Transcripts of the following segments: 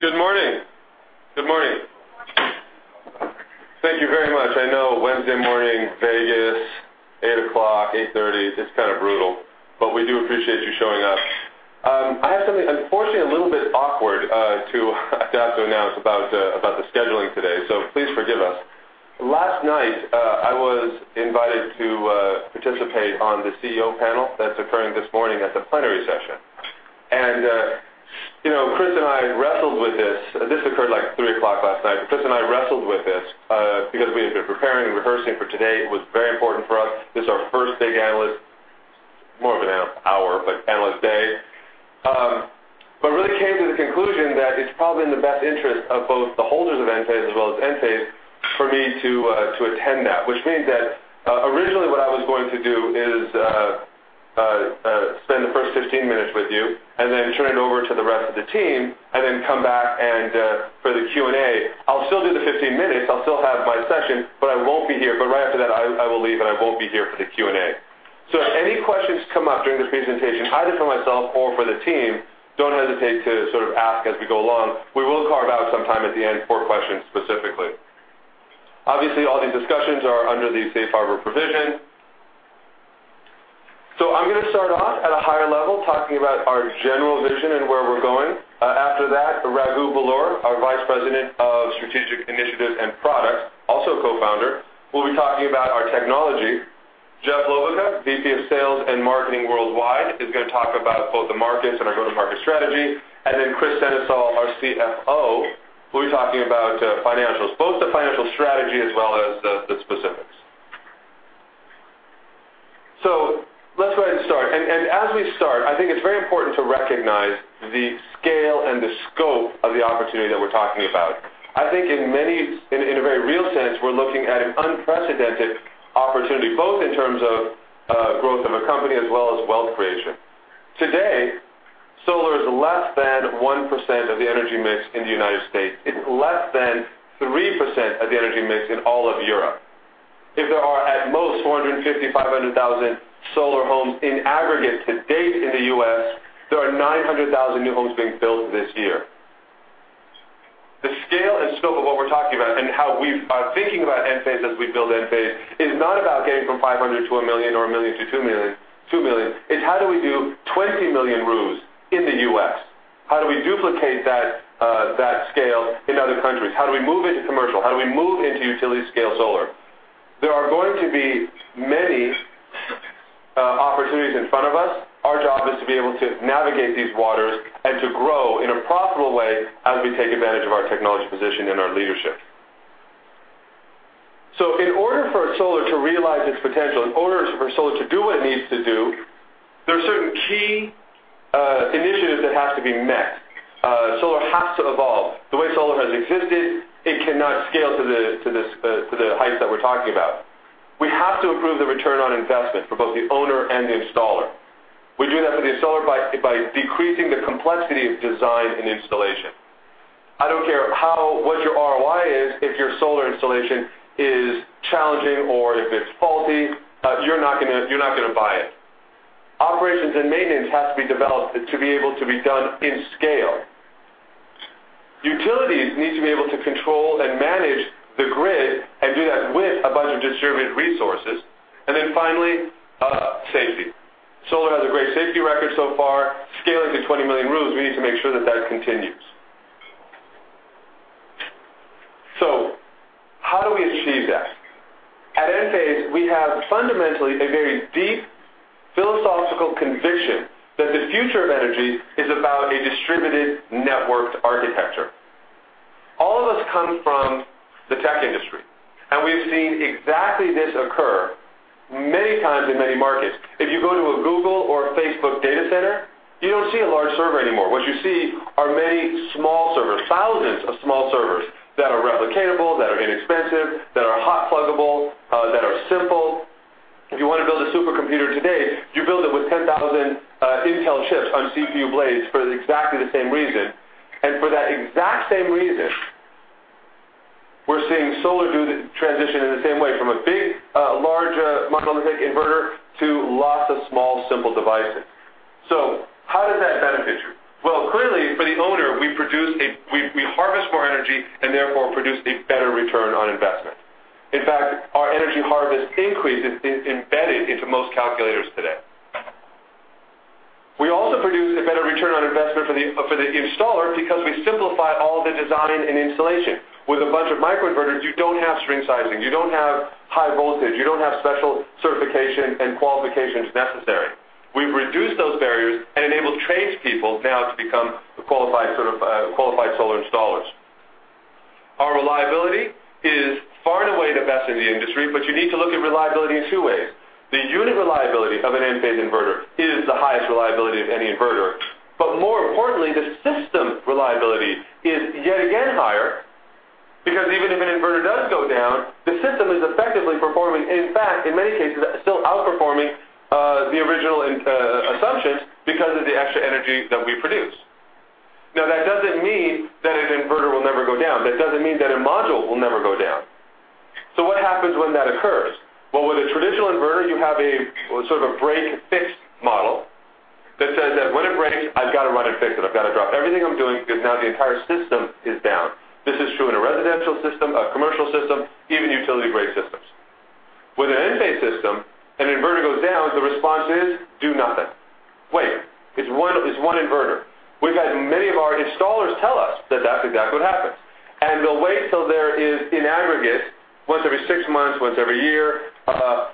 Good morning. Thank you very much. I know, Wednesday morning, Vegas, 8:00 A.M., 8:30 A.M., it's kind of brutal. We do appreciate you showing up. I have something, unfortunately, a little bit awkward to announce about the scheduling today, so please forgive us. Last night, I was invited to participate on the CEO panel that's occurring this morning at the plenary session. Kris and I wrestled with this. This occurred at 3:00 A.M. last night. Kris and I wrestled with this because we had been preparing and rehearsing for today. It was very important for us. This is our first big analyst, more of an hour, but analyst day. Really came to the conclusion that it's probably in the best interest of both the holders of Enphase as well as Enphase for me to attend that. Which means that originally what I was going to do is spend the first 15 minutes with you and then turn it over to the rest of the team, and then come back for the Q&A. I'll still do the 15 minutes, I'll still have my session, but I won't be here. Right after that, I will leave and I won't be here for the Q&A. If any questions come up during this presentation, either for myself or for the team, don't hesitate to ask as we go along. We will carve out some time at the end for questions specifically. Obviously, all these discussions are under the safe harbor provision. I'm going to start off at a higher level, talking about our general vision and where we're going. After that, Raghu Belur, our Vice President of Strategic Initiatives and Products, also co-founder, will be talking about our technology. Jeff Loebbaka, VP of Sales and Marketing Worldwide, is going to talk about both the markets and our go-to-market strategy. Kris Sennesael, our CFO, will be talking about financials, both the financial strategy as well as the specifics. Let's go ahead and start. As we start, I think it's very important to recognize the scale and the scope of the opportunity that we're talking about. I think in a very real sense, we're looking at an unprecedented opportunity, both in terms of growth of a company as well as wealth creation. Today, solar is less than 1% of the energy mix in the U.S. It's less than 3% of the energy mix in all of Europe. If there are at most 450,000, 500,000 solar homes in aggregate to date in the U.S., there are 900,000 new homes being built this year. The scale and scope of what we're talking about and how we are thinking about Enphase as we build Enphase is not about getting from 500 to 1 million or 1 million to 2 million. It's how do we do 20 million roofs in the U.S.? How do we duplicate that scale in other countries? How do we move into commercial? How do we move into utility-scale solar? There are going to be many opportunities in front of us. Our job is to be able to navigate these waters and to grow in a profitable way as we take advantage of our technology position and our leadership. In order for solar to realize its potential, in order for solar to do what it needs to do, there are certain key initiatives that have to be met. Solar has to evolve. The way solar has existed, it cannot scale to the heights that we're talking about. We have to improve the return on investment for both the owner and the installer. We do that for the installer by decreasing the complexity of design and installation. I don't care what your ROI is if your solar installation is challenging or if it's faulty, you're not going to buy it. Operations and maintenance have to be developed to be able to be done in scale. Utilities need to be able to control and manage the grid and do that with a bunch of distributed resources. Finally, safety. Solar has a great safety record so far. Scaling to 20 million roofs, we need to make sure that that continues. How do we achieve that? At Enphase, we have fundamentally a very deep philosophical conviction that the future of energy is about a distributed networked architecture. All of us come from the tech industry, and we've seen exactly this occur many times in many markets. If you go to a Google or a Facebook data center, you don't see a large server anymore. What you see are many small servers, thousands of small servers that are replicatable, that are inexpensive, that are hot-pluggable, that are simple. If you want to build a supercomputer today, you build it with 10,000 Intel chips on CPU blades for exactly the same reason. For that exact same reason, we're seeing solar do the transition in the same way, from a big, large monolithic inverter to lots of small, simple devices. How does that benefit you? Well, clearly, for the owner, we harvest more energy and therefore produce a better return on investment. In fact, our energy harvest increase is embedded into most calculators today. We also produce a better return on investment for the installer because we simplify all the design and installation. With a bunch of microinverters, you don't have string sizing, you don't have high voltage, you don't have special certification and qualifications necessary. We've reduced those barriers and enabled tradespeople now to become qualified solar installers. Our reliability is far and away the best in the industry, but you need to look at reliability in two ways. The unit reliability of an Enphase inverter is the highest reliability of any inverter. More importantly, the system reliability is yet again higher because even if an inverter does go down, the system is effectively performing, in fact, in many cases, still outperforming the original assumptions because of the extra energy that we produce. That doesn't mean that an inverter will never go down. That doesn't mean that a module will never go down. When that occurs, with a traditional inverter, you have a sort of break-fix model that says that when it breaks, I've got to run and fix it. I've got to drop everything I'm doing because now the entire system is down. This is true in a residential system, a commercial system, even utility-grade systems. With an Enphase system, an inverter goes down, the response is do nothing. Wait. It's one inverter. We've had many of our installers tell us that that's exactly what happens. They'll wait till there is, in aggregate, once every six months, once every year,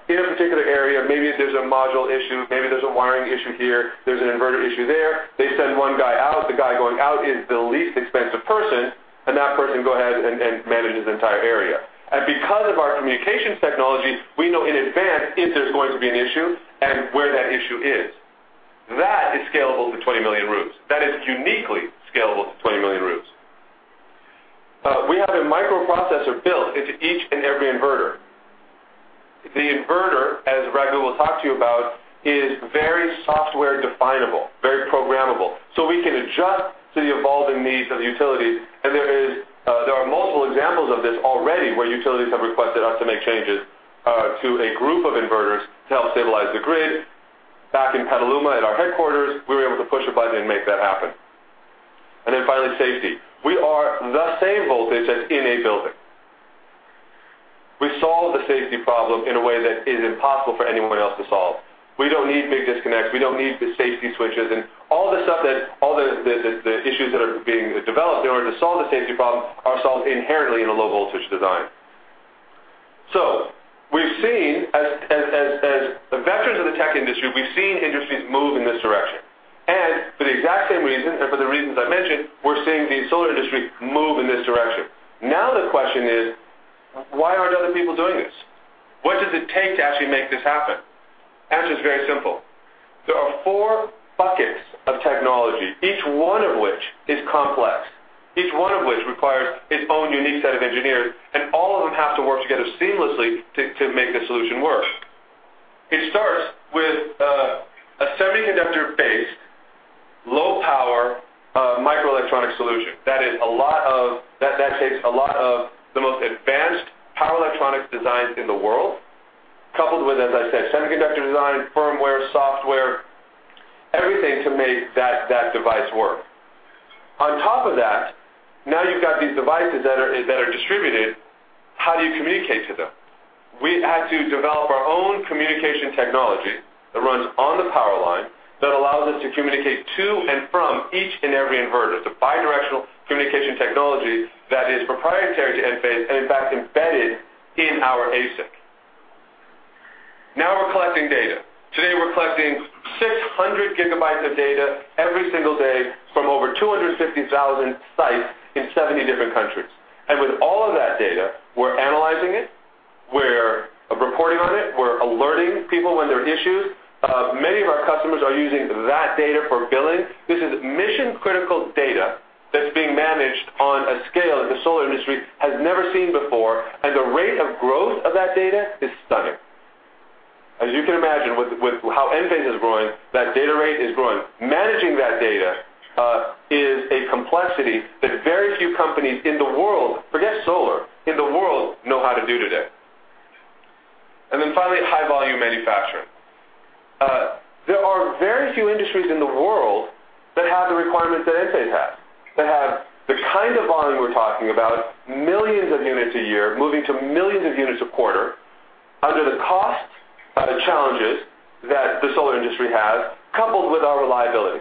in a particular area, maybe there's a module issue, maybe there's a wiring issue here, there's an inverter issue there. They send one guy out. The guy going out is the least expensive person, and that person can go ahead and manage his entire area. Because of our communications technology, we know in advance if there's going to be an issue and where that issue is. That is scalable to 20 million roofs. That is uniquely scalable to 20 million roofs. We have a microprocessor built into each and every inverter. The inverter, as Raghu will talk to you about, is very software definable, very programmable. We can adjust to the evolving needs of utilities, and there are multiple examples of this already, where utilities have requested us to make changes to a group of inverters to help stabilize the grid. Back in Petaluma, at our headquarters, we were able to push a button and make that happen. Then finally, safety. We are the same voltage as in a building. We solve the safety problem in a way that is impossible for anyone else to solve. We don't need big disconnects. We don't need the safety switches and all the issues that are being developed in order to solve the safety problem are solved inherently in a low voltage design. We've seen, as veterans of the tech industry, we've seen industries move in this direction. For the exact same reason, and for the reasons I've mentioned, we're seeing the solar industry move in this direction. The question is, why aren't other people doing this? What does it take to actually make this happen? Answer is very simple. There are four buckets of technology, each one of which is complex, each one of which requires its own unique set of engineers, and all of them have to work together seamlessly to make the solution work. It starts with a semiconductor-based, low power, microelectronic solution. That takes a lot of the most advanced power electronic designs in the world, coupled with, as I said, semiconductor design, firmware, software, everything to make that device work. On top of that, now you've got these devices that are distributed. How do you communicate to them? We had to develop our own communication technology that runs on the power line, that allows us to communicate to and from each and every inverter. It's a bidirectional communication technology that is proprietary to Enphase and, in fact, embedded in our ASIC. We're collecting data. Today, we're collecting 600 gigabytes of data every single day from over 250,000 sites in 70 different countries. With all of that data, we're analyzing it, we're reporting on it. We're alerting people when there are issues. Many of our customers are using that data for billing. This is mission-critical data that's being managed on a scale that the solar industry has never seen before, and the rate of growth of that data is stunning. You can imagine, with how Enphase is growing, that data rate is growing. Managing that data is a complexity that very few companies in the world, forget solar, in the world know how to do today. Finally, high-volume manufacturing. There are very few industries in the world that have the requirements that Enphase has. That have the kind of volume we are talking about, millions of units a year, moving to millions of units a quarter, under the cost challenges that the solar industry has, coupled with our reliability.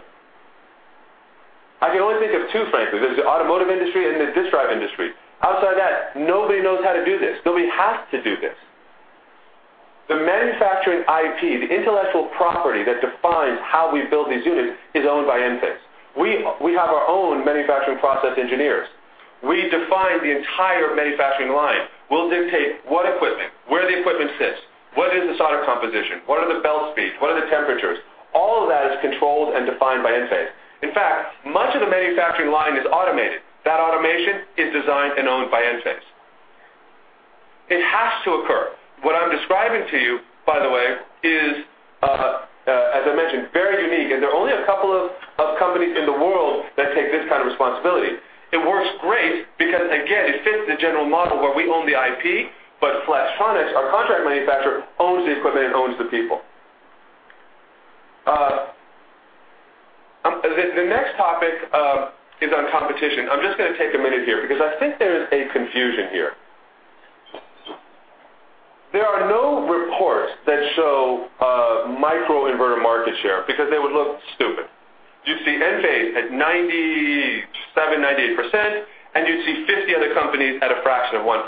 I can only think of two, frankly. There is the automotive industry and the disk drive industry. Outside that, nobody knows how to do this. Nobody has to do this. The manufacturing IP, the intellectual property that defines how we build these units is owned by Enphase. We have our own manufacturing process engineers. We define the entire manufacturing line. We will dictate what equipment, where the equipment sits, what is the solder composition, what are the belt speeds, what are the temperatures. All of that is controlled and defined by Enphase. In fact, much of the manufacturing line is automated. That automation is designed and owned by Enphase. It has to occur. What I am describing to you, by the way, is, as I mentioned, very unique. There are only a couple of companies in the world that take this kind of responsibility. It works great because, again, it fits the general model where we own the IP, but Flextronics, our contract manufacturer, owns the equipment and owns the people. The next topic is on competition. I am just going to take a minute here because I think there is a confusion here. There are no reports that show microinverter market share because they would look stupid. You would see Enphase at 97%, 98%, and you would see 50 other companies at a fraction of 1%.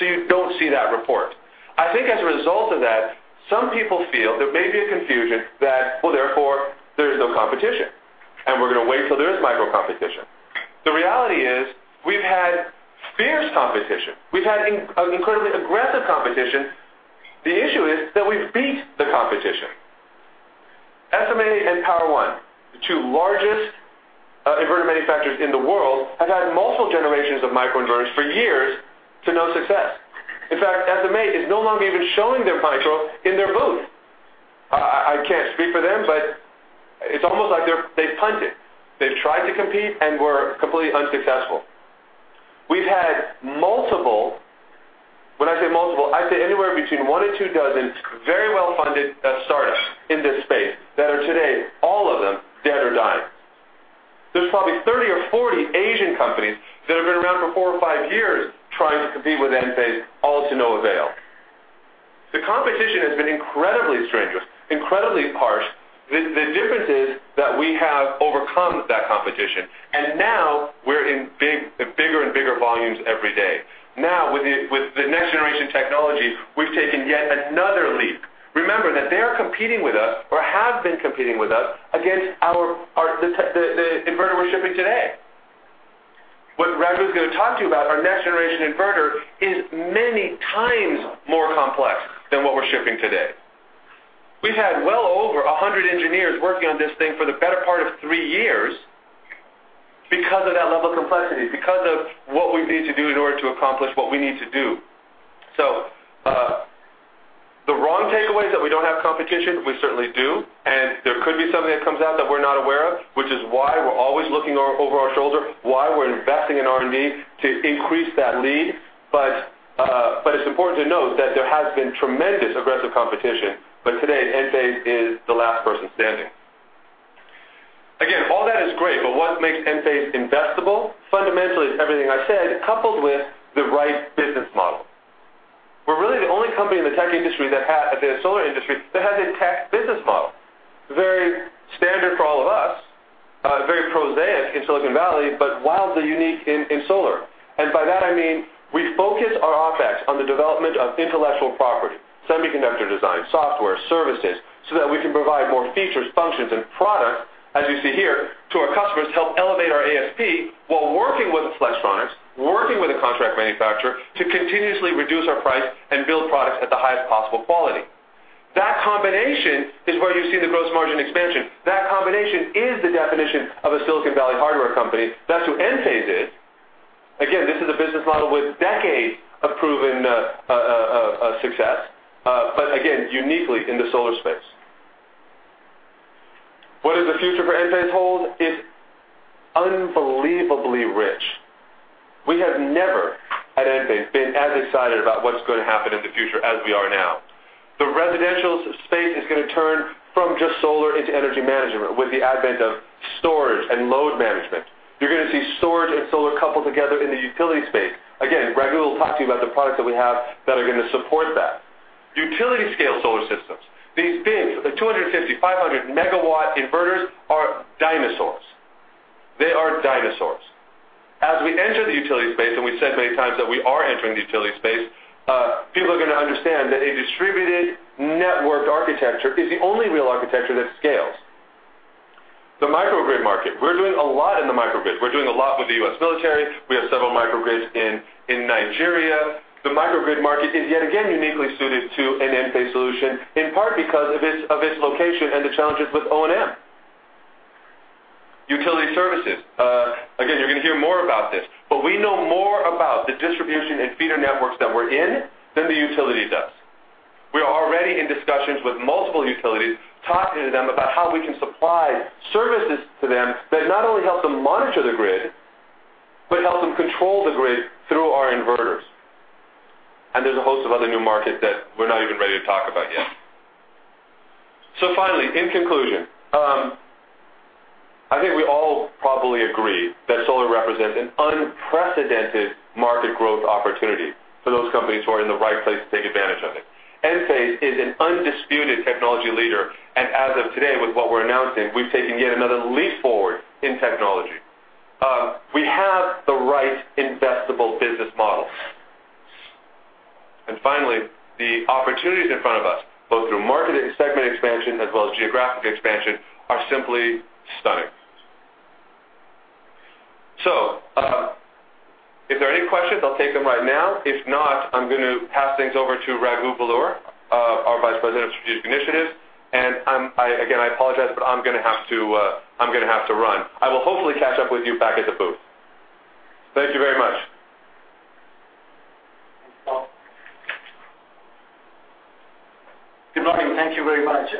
You do not see that report. I think as a result of that, some people feel there may be a confusion that, well, therefore, there is no competition, and we are going to wait till there is micro competition. The reality is we have had fierce competition. We have had incredibly aggressive competition. The issue is that we have beat the competition. SMA and Power-One, the two largest inverter manufacturers in the world, have had multiple generations of microinverters for years to no success. In fact, SMA is no longer even showing their micro in their booth. I cannot speak for them, but They have hunted, they have tried to compete, and were completely unsuccessful. We have had multiple, when I say multiple, I say anywhere between one and two dozens, very well-funded startups in this space that are today, all of them, dead or dying. There is probably 30 or 40 Asian companies that have been around for four or five years trying to compete with Enphase, all to no avail. The competition has been incredibly strenuous, incredibly harsh. The difference is that we have overcome that competition, and now we are in bigger and bigger volumes every day. Now, with the next generation technology, we have taken yet another leap. Remember that they are competing with us, or have been competing with us against the inverter we are shipping today. What Raghu is going to talk to you about, our next generation inverter, is many times more complex than what we are shipping today. We've had well over 100 engineers working on this thing for the better part of three years because of that level of complexity, because of what we need to do in order to accomplish what we need to do. The wrong takeaway is that we don't have competition. We certainly do, and there could be something that comes out that we're not aware of, which is why we're always looking over our shoulder, why we're investing in R&D to increase that lead. It's important to note that there has been tremendous aggressive competition. Today, Enphase is the last person standing. Again, all that is great, what makes Enphase investable fundamentally is everything I said, coupled with the right business model. We're really the only company in the tech industry that has in the solar industry that has a tech business model. Very standard for all of us, very prosaic in Silicon Valley, wildly unique in solar. By that I mean we focus our OPEX on the development of intellectual property, semiconductor design, software, services, so that we can provide more features, functions, and products, as you see here, to our customers to help elevate our ASP while working with Flextronics, working with a contract manufacturer to continuously reduce our price and build products at the highest possible quality. That combination is where you see the gross margin expansion. That combination is the definition of a Silicon Valley hardware company. That's who Enphase is. Again, this is a business model with decades of proven success. Again, uniquely in the solar space. What does the future for Enphase hold? It's unbelievably rich. We have never, at Enphase, been as excited about what's going to happen in the future as we are now. The residential space is going to turn from just solar into energy management with the advent of storage and load management. You're going to see storage and solar coupled together in the utility space. Again, Raghu will talk to you about the products that we have that are going to support that. Utility scale solar systems. These bins, the 250, 500 MW inverters are dinosaurs. They are dinosaurs. As we enter the utility space, we've said many times that we are entering the utility space, people are going to understand that a distributed network architecture is the only real architecture that scales. The microgrid market. We're doing a lot in the microgrid. We're doing a lot with the U.S. military. We have several microgrids in Nigeria. The microgrid market is yet again uniquely suited to an Enphase solution, in part because of its location and the challenges with O&M. Utility services. Again, you're going to hear more about this, we know more about the distribution and feeder networks that we're in than the utilities does. We are already in discussions with multiple utilities, talking to them about how we can supply services to them that not only help them monitor the grid, but help them control the grid through our inverters. There's a host of other new markets that we're not even ready to talk about yet. Finally, in conclusion, I think we all probably agree that solar represents an unprecedented market growth opportunity for those companies who are in the right place to take advantage of it. Enphase is an undisputed technology leader. As of today, with what we're announcing, we've taken yet another leap forward in technology. We have the right investable business model. Finally, the opportunities in front of us, both through market and segment expansion as well as geographic expansion, are simply stunning. If there are any questions, I'll take them right now. If not, I'm going to pass things over to Raghu Belur, our Vice President of Strategic Initiatives. Again, I apologize, but I'm going to have to run. I will hopefully catch up with you back at the booth. Thank you very much. Good morning. Thank you very much.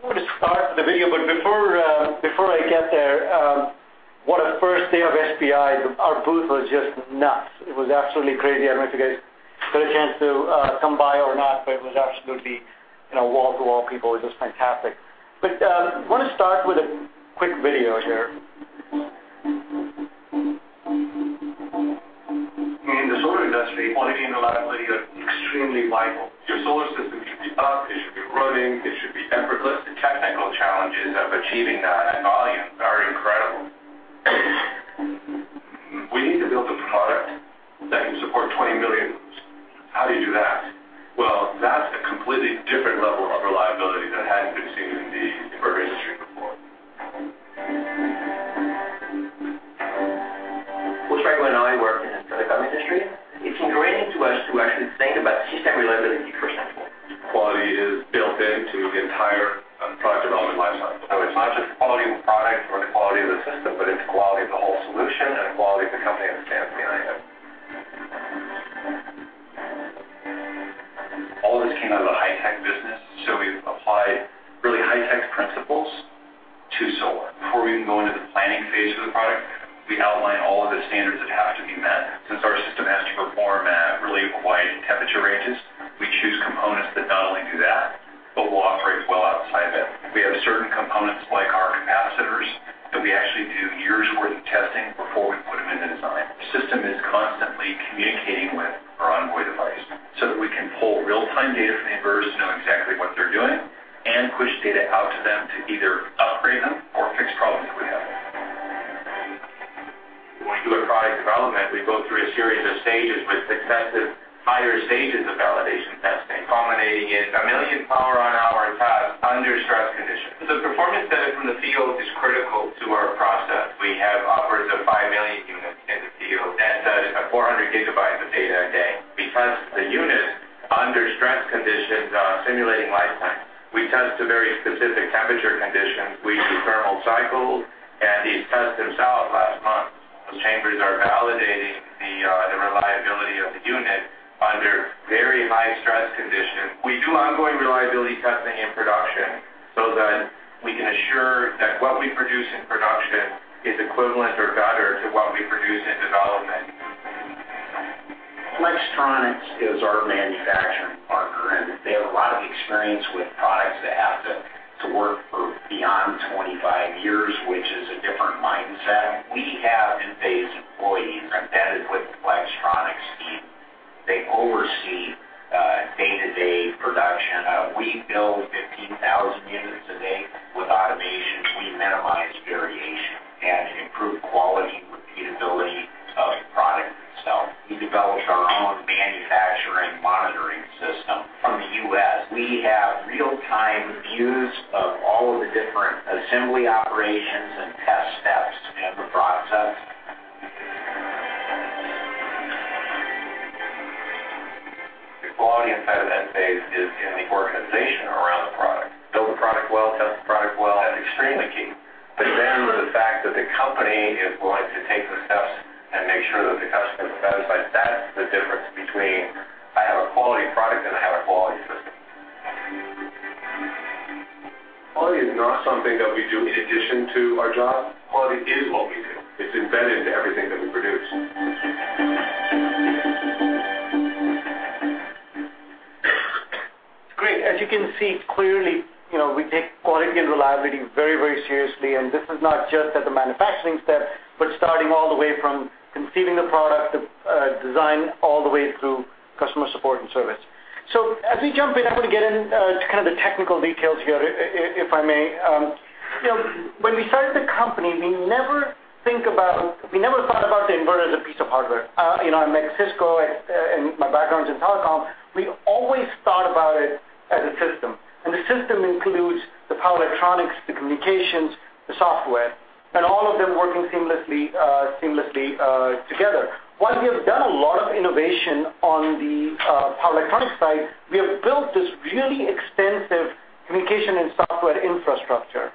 I want to start the video, but before I get there, what a first day of SPI. Our booth was just nuts. It was absolutely crazy. I don't know if you guys got a chance to come by or not, but it was absolutely wall-to-wall people. It was just fantastic. I want to start with a quick video here. In the solar industry, quality and reliability are extremely vital. Your solar system should be up, it should be running, it should be effortless. The technical challenges of achieving that at volume are incredible. We need to build a product that can support 20 million roofs. How do you do that? Well, that's a completely different level of reliability that hadn't been seen in the inverter industry before. Bhuṣan and I worked in the semiconductor industry. It's ingrained in us to actually think about system reliability first and foremost. Quality is built into the entire product development life cycle. It's not just quality of a product or the quality of a system, but it's quality of the whole solution and the quality of the company that stands behind it All of this came out of the high-tech business, we've applied really high-tech principles to solar. Before we even go into the planning phase of the product, we outline all of the standards that have to be met. Since our system has to perform at really wide temperature ranges, we choose components that not only do that, but will operate well outside of it. We have certain components, like our capacitors, that we actually do years worth of testing before we put them in the design. The system is constantly communicating with our Envoy device that we can pull real-time data from the inverters to know exactly what they're doing and push data out to them to either upgrade them or fix problems if we have them. When we do a product development, we go through a series of stages with successive higher stages of validation testing, culminating in 1 million power on hour tests under stress conditions. The performance data from the field is critical to our process. We have upwards of 5 million units in the field that does about 400 GB of data a day. We test the units under stress conditions, simulating lifetime. We test to very specific temperature conditions. We do thermal cycles, and these tests themselves last months. Those chambers are validating the reliability of the unit under very high stress conditions. We do ongoing reliability testing in production so that we can assure that what we produce in production is equivalent or better to what we produce in development. Flextronics is our manufacturing partner, they have a lot of experience with products that have to work for beyond 25 years, which is a different mindset. We have Enphase employees embedded with the Flextronics team. They oversee day-to-day production. We build 15,000 units a day. With automation, we minimize variation and improve quality and repeatability of the product itself. We developed our own manufacturing monitoring system from the U.S. We have real-time views of all of the different assembly operations and test steps in the process. The quality inside of Enphase is in the organization around the product. Build the product well, test the product well, that's extremely key. The fact that the company is willing to take the steps and make sure that the customer is satisfied, that's the difference between I have a quality product and I have a quality system. Quality is not something that we do in addition to our job. Quality is what we do. It's embedded into everything that we produce. It's great. As you can see clearly, we take quality and reliability very seriously, and this is not just at the manufacturing step, but starting all the way from conceiving the product, the design, all the way through customer support and service. As we jump in, I want to get into kind of the technical details here, if I may. When we started the company, we never thought about the inverter as a piece of hardware. At Cisco and my background is in telecom, we always thought about it as a system. The system includes the power electronics, the communications, the software, and all of them working seamlessly together. While we have done a lot of innovation on the power electronics side, we have built this really extensive communication and software infrastructure.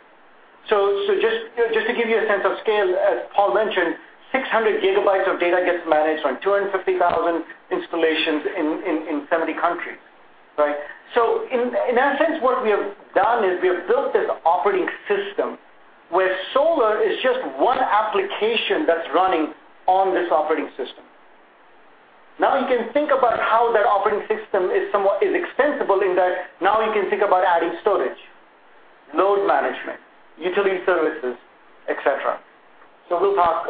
Just to give you a sense of scale, as Paul mentioned, 600 gigabytes of data gets managed on 250,000 installations in 70 countries. Right? In that sense, what we have done is we have built this operating system where solar is just one application that's running on this operating system. Now you can think about how that operating system is extensible in that now you can think about adding storage, load management, utility services, et cetera. We'll talk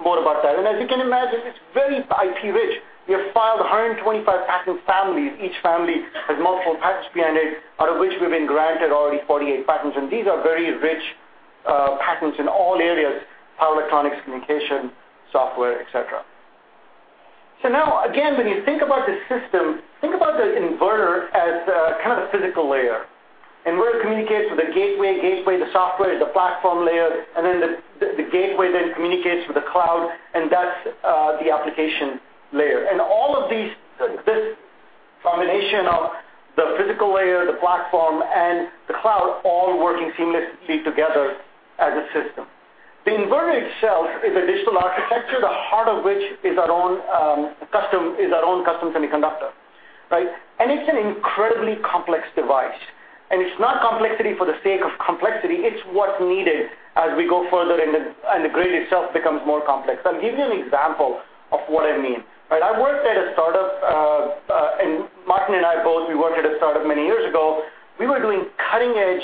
more about that. As you can imagine, it's very IP rich. We have filed 125 patent families. Each family has multiple patents behind it, out of which we've been granted already 48 patents, and these are very rich patents in all areas, power electronics, communication, software, et cetera. Now, again, when you think about this system, think about the inverter as the kind of physical layer. Inverter communicates with the gateway. Gateway, the software is the platform layer, then the gateway then communicates with the cloud, and that's the application layer. All of this combination of the physical layer, the platform, and the cloud all working seamlessly together as a system. The inverter itself is a digital architecture, the heart of which is our own custom semiconductor. Right? It's an incredibly complex device. It's not complexity for the sake of complexity. It's what's needed as we go further and the grid itself becomes more complex. I'll give you an example of what I mean. Right? I worked at a startup, and Martin and I both, we worked at a startup many years ago. We were doing cutting edge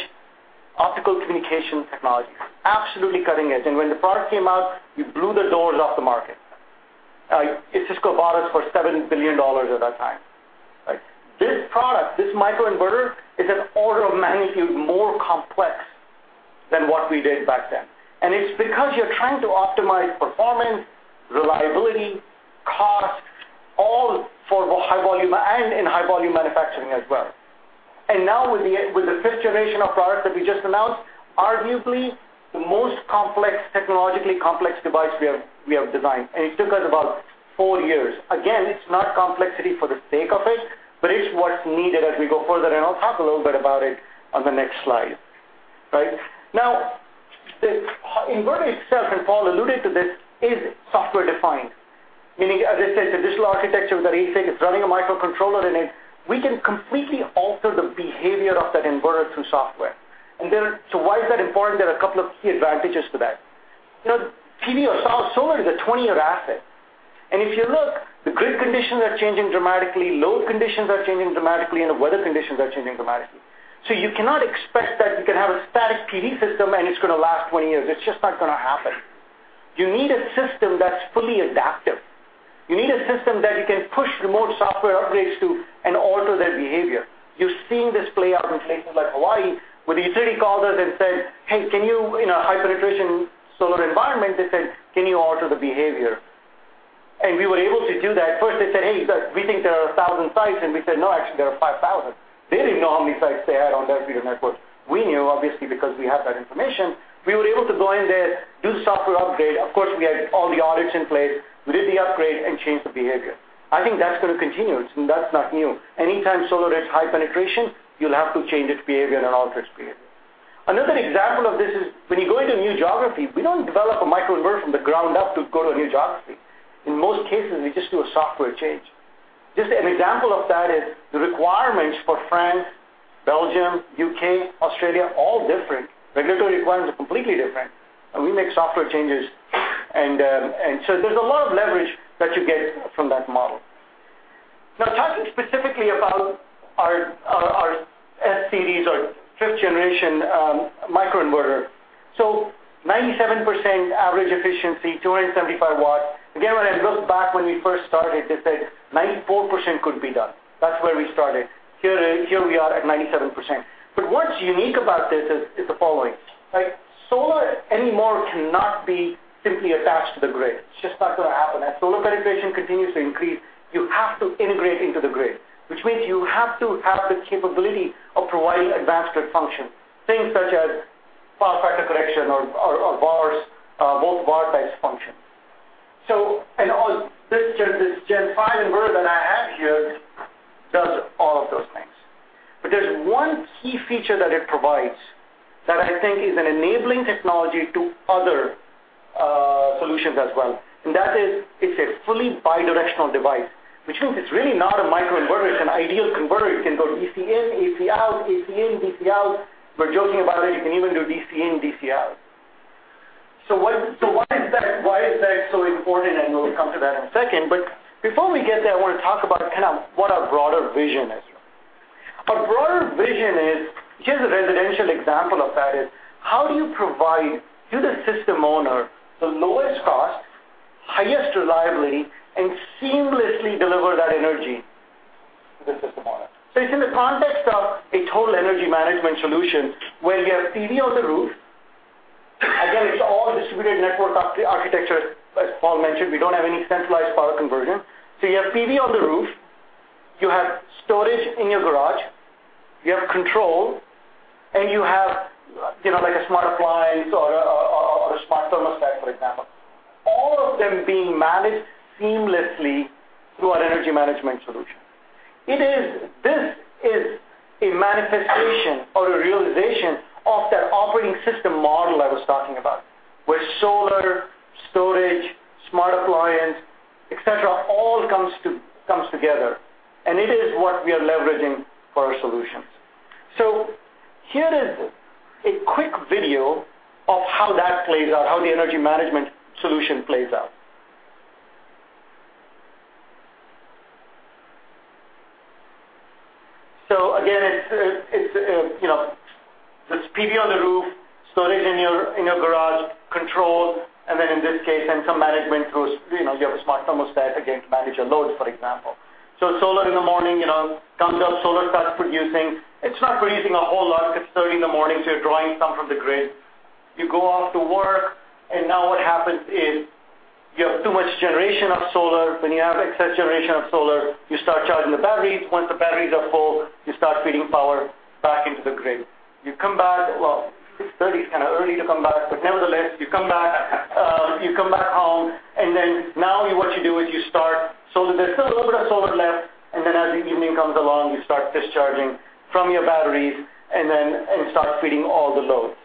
optical communication technology, absolutely cutting edge. When the product came out, we blew the doors off the market. Cisco bought us for $7 billion at that time. Right? This product, this microinverter, is an order of magnitude more complex than what we did back then. It's because you're trying to optimize performance, reliability, cost, all for high volume and in high volume manufacturing as well. Now with the 5th generation of product that we just announced, arguably the most complex, technologically complex device we have designed. It took us about four years. It's not complexity for the sake of it, but it's what's needed as we go further, I'll talk a little bit about it on the next slide. Right? This inverter itself, Paul alluded to this, is software defined, meaning, as I said, the digital architecture with the ASIC is running a microcontroller in it. We can completely alter the behavior of that inverter through software. Why is that important? There are a couple of key advantages to that. PV or solar is a 20-year asset, if you look, the grid conditions are changing dramatically, load conditions are changing dramatically, the weather conditions are changing dramatically. You cannot expect that you can have a static PV system and it's going to last 20 years. It's just not going to happen. You need a system that's fully adaptive. You need a system that you can push remote software upgrades to and alter their behavior. You're seeing this play out in places like Hawaii, where the utility called us and said, in a high penetration solar environment, they said, "Can you alter the behavior?" We were able to do that. First, they said, "Hey, we think there are 1,000 sites." We said, "No, actually, there are 5,000." They didn't know how many sites they had on their feeder network. We knew, obviously, because we have that information. We were able to go in there, do the software upgrade. Of course, we had all the audits in place. We did the upgrade and changed the behavior. I think that's going to continue. That's not new. Anytime solar is high penetration, you'll have to change its behavior and alter its behavior. Another example of this is when you go into a new geography, we don't develop a microinverter from the ground up to go to a new geography. In most cases, we just do a software change. Just an example of that is the requirements for France, Belgium, U.K., Australia, all different. Regulatory requirements are completely different. We make software changes, there's a lot of leverage that you get from that model. Talking specifically about our S-Series or 5th generation microinverter. 97% average efficiency, 275 watts. Again, when I look back when we first started, they said 94% could be done. That's where we started. Here we are at 97%. What's unique about this is the following, right? Solar anymore cannot be simply attached to the grid. It's just not going to happen. As solar penetration continues to increase, you have to integrate into the grid, which means you have to have the capability of providing advanced grid function, things such as power factor correction or VARs, both VAR types functions. This gen 5 inverter that I have here does all of those things. There's one key feature that it provides that I think is an enabling technology to other solutions as well, and that is, it's a fully bidirectional device, which means it's really not a microinverter, it's an ideal converter. It can go DC in, AC out, AC in, DC out. We're joking about it. You can even do DC in, DC out. Why is that so important? We'll come to that in a second. Before we get there, I want to talk about kind of what our broader vision is. Our broader vision is, here's a residential example of that is, how do you provide to the system owner the lowest cost, highest reliability, and seamlessly deliver that energy to the system owner? It's in the context of a total energy management solution where you have PV on the roof. Again, it's all distributed network architecture. As Paul mentioned, we don't have any centralized power conversion. You have PV on the roof, you have storage in your garage, you have control, and you have a smart appliance or a smart thermostat, for example. All of them being managed seamlessly through our energy management solution. This is a manifestation or a realization of that operating system model I was talking about, where solar, storage, smart appliance, et cetera, all comes together, and it is what we are leveraging for our solutions. Here is a quick video of how that plays out, how the energy management solution plays out. Again, it's PV on the roof, storage in your garage, control, and then in this case, then some management through, you have a smart thermostat, again, to manage your loads, for example. Solar in the morning, comes up, solar starts producing. It's not producing a whole lot because it's 30 in the morning, you're drawing some from the grid. You go off to work, and now what happens is you have too much generation of solar. When you have excess generation of solar, you start charging the batteries. Once the batteries are full, you start feeding power back into the grid. You come back, well, 6:30 is kind of early to come back, but nevertheless, you come back home, and then now what you do is you start, there's still a little bit of solar left, as the evening comes along, you start discharging from your batteries and start feeding all the loads.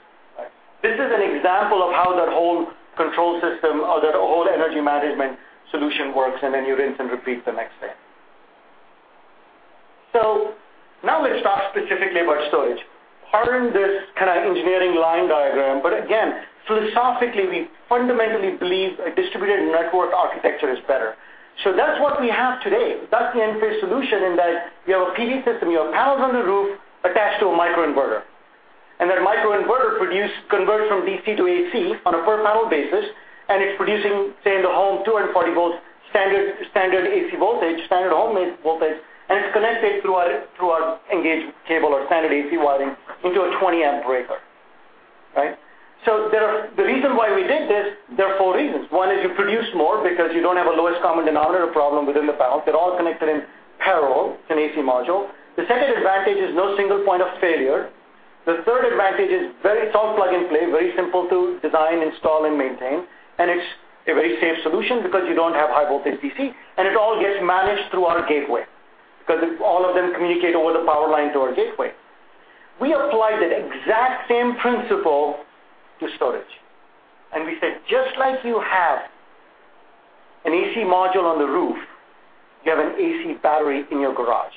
This is an example of how that whole control system or that whole energy management solution works, and you rinse and repeat the next day. Now let's talk specifically about storage. Pardon this kind of engineering line diagram, again, philosophically, we fundamentally believe a distributed network architecture is better. That's what we have today. That's the Enphase solution in that you have a PV system, you have panels on the roof attached to a microinverter, and that microinverter converts from DC to AC on a per panel basis, and it's producing, say, in the home, 240 volts, standard AC voltage, standard homemade voltage, and it's connected through our Engage Cable or standard AC wiring into a 20 amp breaker, right? The reason why we did this, there are four reasons. One is you produce more because you don't have a lowest common denominator problem within the panel. They're all connected in parallel to an AC module. The second advantage is no single point of failure. It's a very safe solution because you don't have high voltage DC, and it all gets managed through our gateway. All of them communicate over the power lines to our gateway. We applied that exact same principle to storage, and we said, just like you have an AC module on the roof, you have an AC Battery in your garage.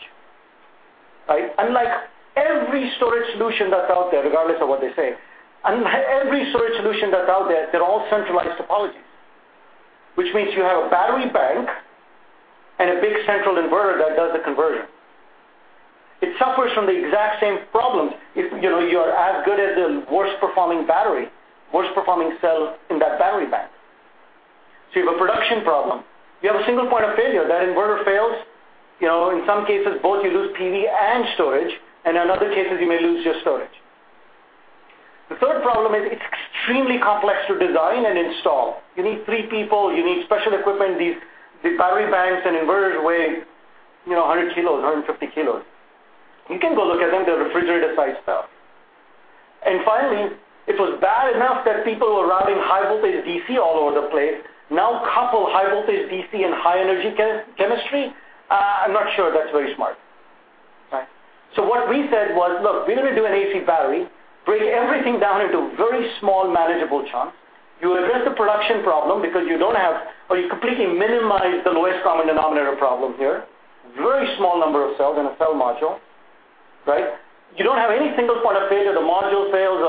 Unlike every storage solution that's out there, regardless of what they say, unlike every storage solution that's out there, they're all centralized topologies, which means you have a battery bank and a big central inverter that does the conversion. It suffers from the exact same problems. You are as good as the worst-performing battery, worst-performing cell in that battery bank. You have a production problem. You have a single point of failure. That inverter fails, in some cases, both you lose PV and storage, and in other cases, you may lose just storage. The third problem is it's extremely complex to design and install. You need three people. You need special equipment. These battery banks and inverters weigh 100 kilos, 150 kilos. You can go look at them. They're refrigerator-sized stuff. Finally, it was bad enough that people were routing high voltage DC all over the place. Now, couple high voltage DC and high energy chemistry, I'm not sure that's very smart. What we said was, "Look, we're going to do an AC Battery, break everything down into very small, manageable chunks." You address the production problem because you don't have, or you completely minimize the lowest common denominator problem here. Very small number of cells in a cell module. You don't have any single point of failure. The module fails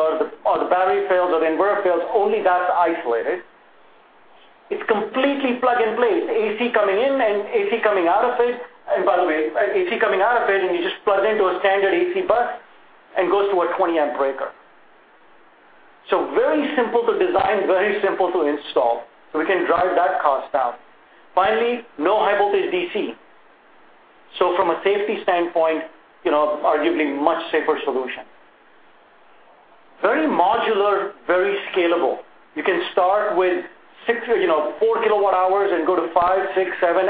or the battery fails or the inverter fails, only that's isolated. It's completely plug and play. AC coming in and AC coming out of it. By the way, AC coming out of it, you just plug it into a standard AC bus and goes to a 20 amp breaker. Very simple to design, very simple to install. We can drive that cost down. Finally, no high voltage DC. From a safety standpoint, arguably much safer solution. Very modular, very scalable. You can start with four kilowatt hours and go to five, six, seven.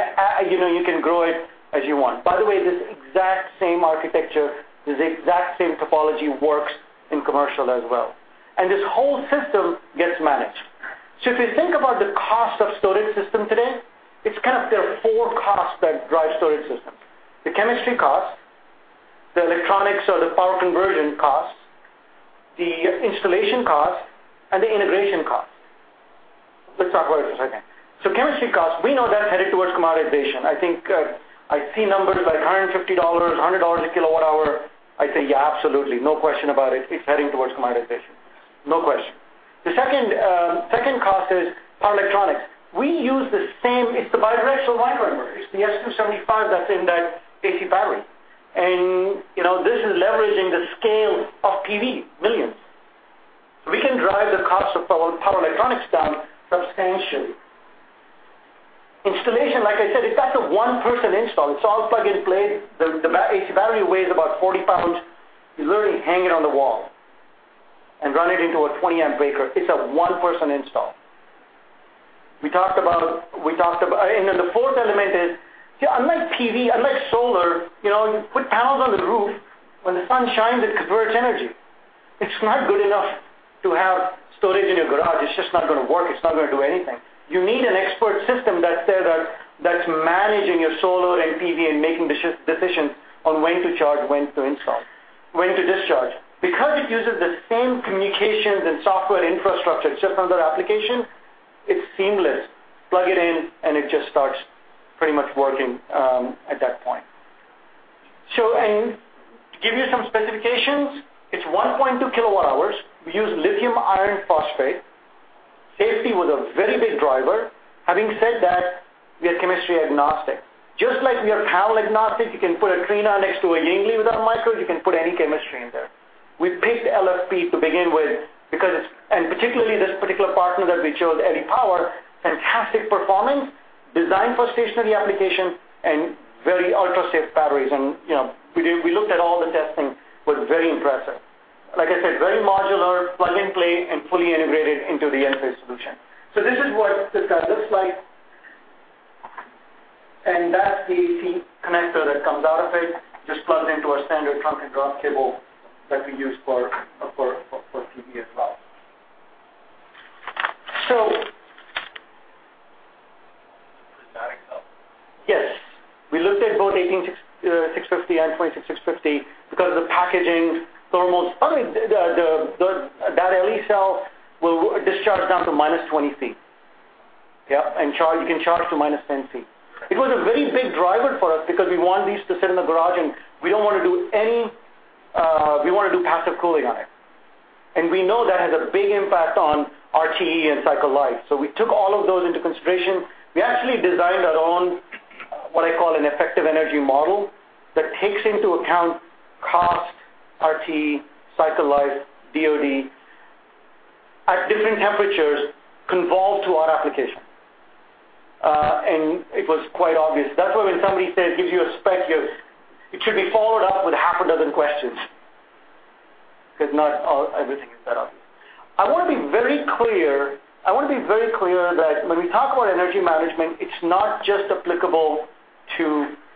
You can grow it as you want. By the way, this exact same architecture, this exact same topology works in commercial as well. This whole system gets managed. If you think about the cost of storage system today, it's kind of there are four costs that drive storage systems. The chemistry cost, the electronics or the power conversion cost, the installation cost, and the integration cost. Let's talk about it for a second. Chemistry cost, we know that's headed towards commoditization. I see numbers like $150, $100 a kilowatt hour. I say yeah, absolutely. No question about it. It's heading towards commoditization. No question. The second cost is power electronics. We use the same, it's the bidirectional microinverters, the S275 that's in that AC Battery. This is leveraging the scale of PV, millions. We can drive the cost of power electronics down substantially. Installation, like I said, it's actually a one-person install. It's all plug and play. The AC Battery weighs about 40 pounds. You literally hang it on the wall and run it into a 20 amp breaker. It's a one-person install. The fourth element is, unlike PV, unlike solar, you put panels on the roof, when the sun shines, it converts energy. It's not good enough to have storage in your garage. It's just not going to work. It's not going to do anything. You need an expert system that's there that's managing your solar and PV and making the decisions on when to charge, when to install, when to discharge. Because it uses the same communications and software infrastructure, it's just another application, it's seamless. Plug it in, and it just starts pretty much working at that point. To give you some specifications, it's 1.2 kilowatt hours. We use lithium iron phosphate. Safety was a very big driver. Having said that, we are chemistry agnostic. Just like we are panel agnostic, you can put a Trina next to a Yingli without micros, you can put any chemistry in there. We picked LFP to begin with, particularly this particular partner that we chose, ELIIY Power, fantastic performance, designed for stationary application, and very ultra-safe batteries. We looked at all the testing, was very impressive. Like I said, very modular, plug and play, and fully integrated into the Enphase solution. This is what this guy looks like. That's the AC connector that comes out of it, just plugs into a standard trunk and drop cable that we use for PV as well. Prismatic cell? Yes. We looked at both 18650 and 26650 because of the packaging, thermals. That ELIIY cell will discharge down to -20 degrees Celsius. You can charge to -10 degrees Celsius. It was a very big driver for us because we want these to sit in the garage, we want to do passive cooling on it. We know that has a big impact on RTE and cycle life. We took all of those into consideration. We actually designed our own, what I call an effective energy model, that takes into account cost, RTE, cycle life, DoD, at different temperatures convolved to our application. It was quite obvious. That's why when somebody says, gives you a spec, it should be followed up with half a dozen questions, because not everything is that obvious. I want to be very clear that when we talk about energy management, it's not just applicable to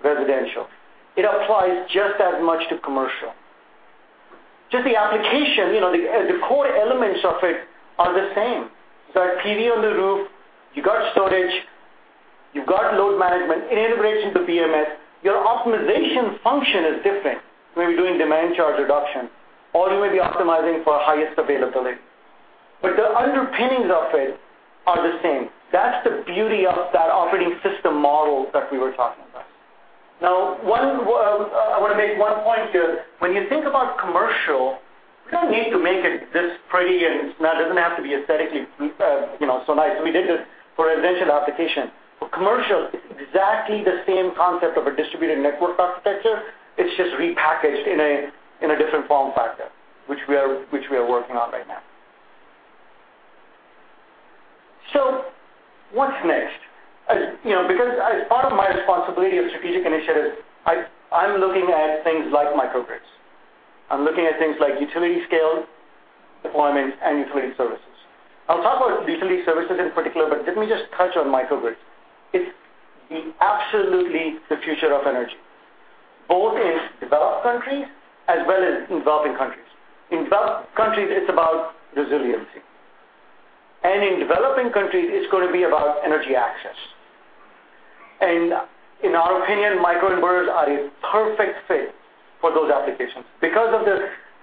residential. It applies just as much to commercial. Just the application, the core elements of it are the same. You've got PV on the roof, you've got storage, you've got load management, it integrates into BMS. Your optimization function is different. You may be doing demand charge reduction, or you may be optimizing for highest availability. The underpinnings of it are the same. That's the beauty of that operating system model that we were talking about. I want to make one point here. When you think about commercial, we don't need to make it this pretty, and it doesn't have to be aesthetically so nice. We did it for a residential application. For commercial, it's exactly the same concept of a distributed network architecture. It's just repackaged in a different form factor, which we are working on right now. What's next? Because as part of my responsibility of strategic initiatives, I'm looking at things like microgrids. I'm looking at things like utility-scale deployments and utility services. I'll talk about utility services in particular, but let me just touch on microgrids. It's absolutely the future of energy, both in developed countries as well as in developing countries. In developed countries, it's about resiliency, and in developing countries, it's going to be about energy access. In our opinion, microinverters are a perfect fit for those applications.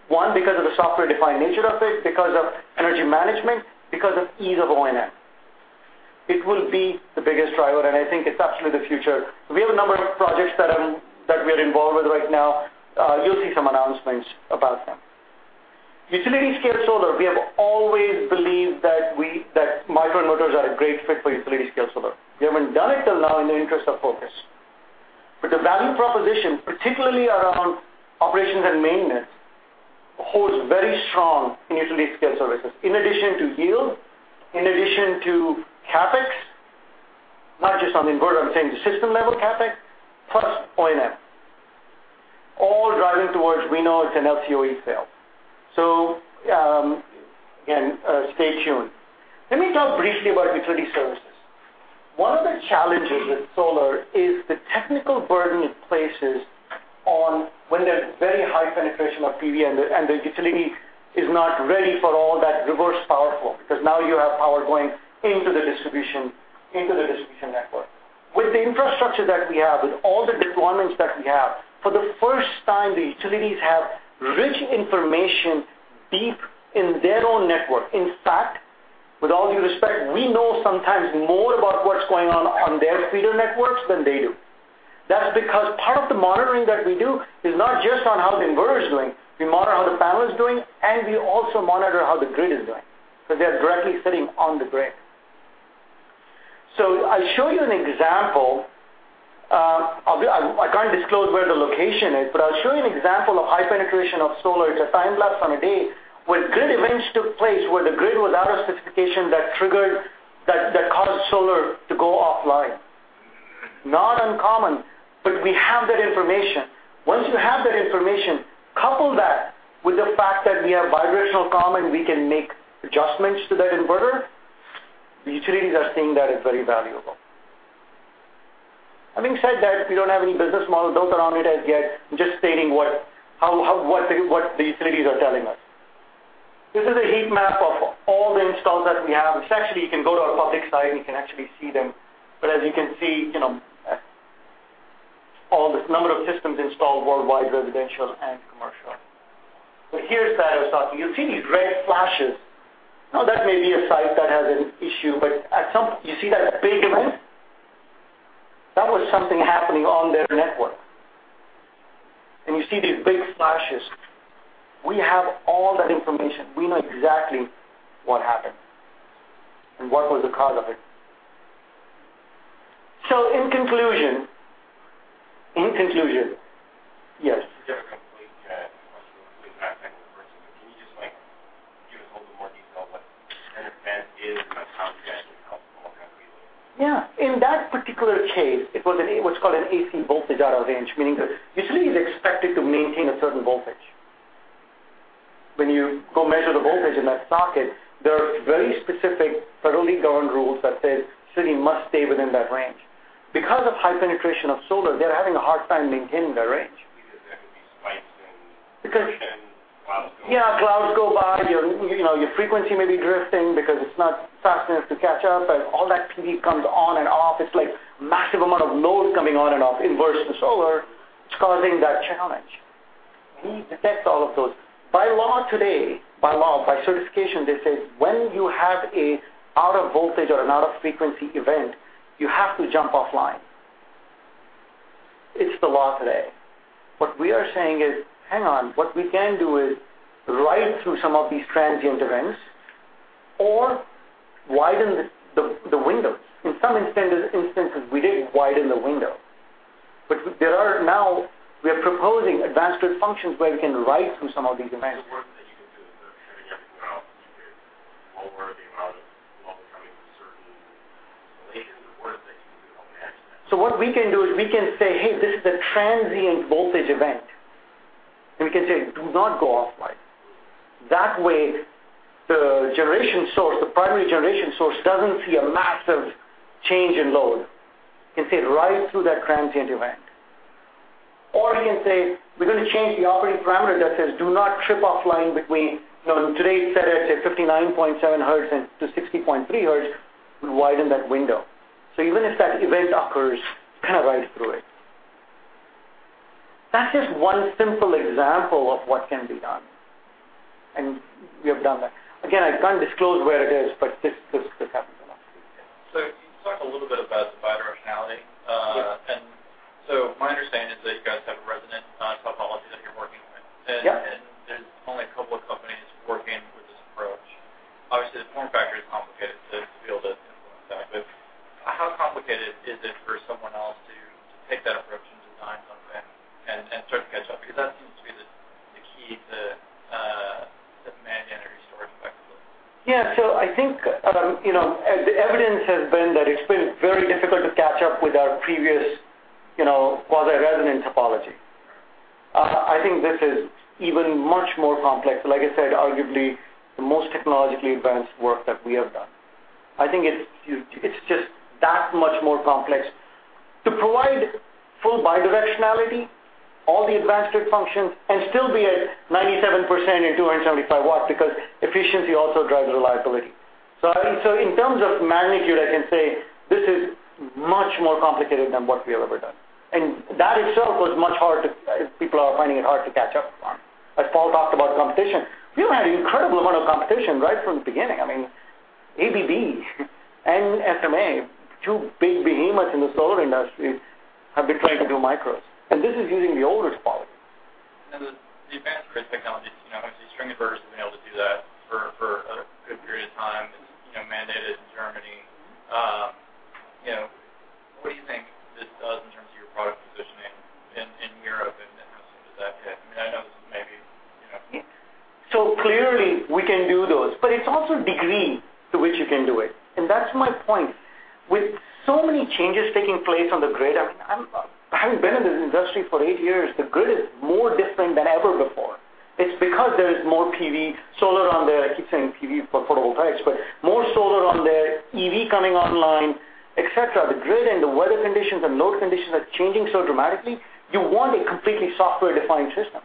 One, because of the software-defined nature of it, because of energy management, because of ease of O&M. It will be the biggest driver, and I think it's absolutely the future. We have a number of projects that we are involved with right now. You'll see some announcements about them. Utility scale solar, we have always believed that microinverters are a great fit for utility scale solar. We haven't done it until now in the interest of focus. The value proposition, particularly around operations and maintenance, holds very strong in utility scale services. In addition to yield, in addition to CapEx, not just on the inverter, I'm saying the system level CapEx, plus O&M. All driving towards, we know it's an LCOE sale. Again, stay tuned. Let me talk briefly about utility services. One of the challenges with solar is the technical burden it places on when there's very high penetration of PV, and the utility is not ready for all that reverse power flow, because now you have power going into the distribution network. With the infrastructure that we have, with all the deployments that we have, for the first time, the utilities have rich information deep in their own network. In fact, with all due respect, we know sometimes more about what's going on their feeder networks than they do. That's because part of the monitoring that we do is not just on how the inverter is doing. We monitor how the panel is doing, and we also monitor how the grid is doing, because they are directly sitting on the grid. I'll show you an example. I can't disclose where the location is, but I'll show you an example of high penetration of solar. It's a time lapse on a day where grid events took place, where the grid was out of specification, that caused solar to go offline. Not uncommon, but we have that information. Once you have that information, couple that with the fact that we have bidirectional comm, and we can make adjustments to that inverter. The utilities are seeing that as very valuable. Having said that, we don't have any business models built around it as yet. I'm just stating what the utilities are telling us. This is a heat map of all the installs that we have. Actually, you can go to our public site, and you can actually see them. As you can see, all this number of systems installed worldwide, residential and commercial. Here is that I was talking. You'll see these red flashes. Now, that may be a site that has an issue, but you see that big event? That was something happening on their network. You see these big flashes. We have all that information. We know exactly what happened and what was the cause of it. In conclusion. Yes. You have a complete question with respect to inverters. Can you just give us a little bit more detail what an event is and how you actually help? Yeah. In that particular case, it was what's called an AC voltage out of range, meaning the utility is expected to maintain a certain voltage. When you go measure the voltage in that socket, there are very specific federally governed rules that say, "City must stay within that range." Because of high penetration of solar, they're having a hard time maintaining that range. There could be spikes in production, clouds going. Yeah, clouds go by. Your frequency may be drifting because it's not fast enough to catch up. All that PV comes on and off. It's like a massive amount of loads coming on and off, inverters and solar. It's causing that challenge. We detect all of those. By law today, by certification, they say, "When you have an out of voltage or an out of frequency event, you have to jump offline." It's the law today. What we are saying is, "Hang on. What we can do is ride through some of these transient events or widen the window." In some instances, we did widen the window. Now, we are proposing advanced grid functions where we can ride through some of these events. What you can do is kind of get around it, lower the amount of voltage coming from certain locations, or is it that you can go and add to that? What we can do is we can say, "Hey, this is a transient voltage event." We can say, "Do not go offline." That way, the primary generation source doesn't see a massive change in load. It sees right through that transient event. You can say, we're going to change the operating parameter that says, do not trip offline between, today it's set at, say, 59.7 hertz to 60.3 hertz, widen that window. Even if that event occurs, it rides through it. That's just one simple example of what can be done. We have done that. Again, I can't disclose where it is, this happens a lot. You talk a little bit about bidirectionality. Yes. My understanding is that you guys have a resonant topology that you're working on. Yeah. There's only a couple of companies working with this approach. Obviously, the form factor is complicated, so to be able to influence that. How complicated is it for someone else to take that approach and design something and start to catch up? Because that seems to be the key to demand energy storage effectively. Yeah. I think the evidence has been that it's been very difficult to catch up with our previous quasi-resonant topology. I think this is even much more complex. Like I said, arguably the most technologically advanced work that we have done. I think it's just that much more complex to provide full bidirectionality, all the advanced grid functions, and still be at 97% and 275 watts, because efficiency also drives reliability. In terms of magnitude, I can say this is much more complicated than what we have ever done. That itself, people are finding it hard to catch up on. As Paul talked about competition, we've had an incredible amount of competition right from the beginning. I mean, ABB and SMA, two big behemoths in the solar industry, have been trying to do micros, and this is using the older topology. The advanced grid technologies, actually string inverters have been able to do that for a good period of time. It's mandated in Germany. What do you think this does in terms of your product positioning in Europe, and how soon does that hit? Clearly we can do those, but it's also degree to which you can do it. That's my point. With so many changes taking place on the grid, I mean, having been in this industry for eight years, the grid is more different than ever before. It's because there is more PV, solar on there, I keep saying PV for photovoltaics, but more solar on there, EV coming online, et cetera. The grid and the weather conditions and load conditions are changing so dramatically, you want a completely software-defined system.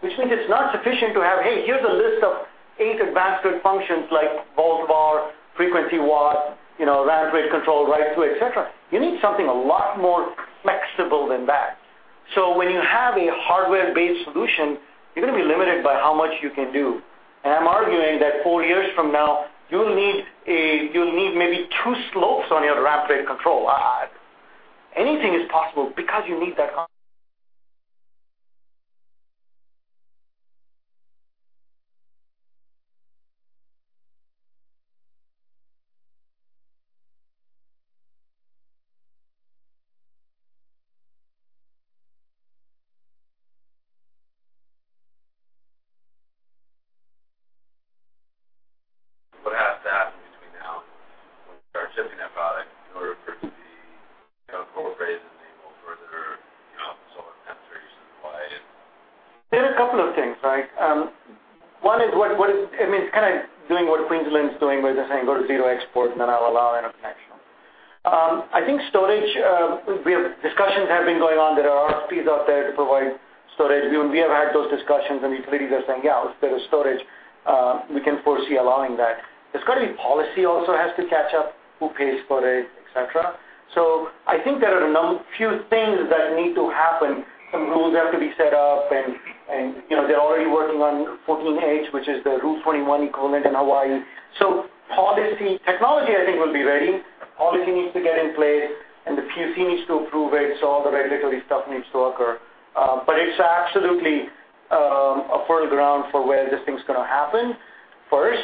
Which means it's not sufficient to have, hey, here's a list of eight advanced grid functions like volt-VAR, Frequency-Watt, ramp rate control, ride through, et cetera. You need something a lot more flexible than that. When you have a hardware-based solution, you're going to be limited by how much you can do. I'm arguing that four years from now, you'll need maybe two slopes on your ramp rate control. Anything is possible. What has to happen between now and when you start shipping that product in order for it to be corporate and able to further solar penetration in Hawaii? There are a couple of things, right? One is, it means doing what Queensland is doing, where they're saying go to zero export and then I'll allow interconnection. I think storage, discussions have been going on. There are RFPs out there to provide storage. We have had those discussions, and the utilities are saying, "Yeah, if there is storage, we can foresee allowing that." There's got to be policy also has to catch up, who pays for it, et cetera. I think there are a few things that need to happen. Some rules have to be set up, and they're already working on Rule 14H, which is the Rule 21 equivalent in Hawaii. Policy, technology, I think, will be ready. Policy needs to get in place, and the PUC needs to approve it. All the regulatory stuff needs to occur. It's absolutely a fertile ground for where this thing's going to happen first.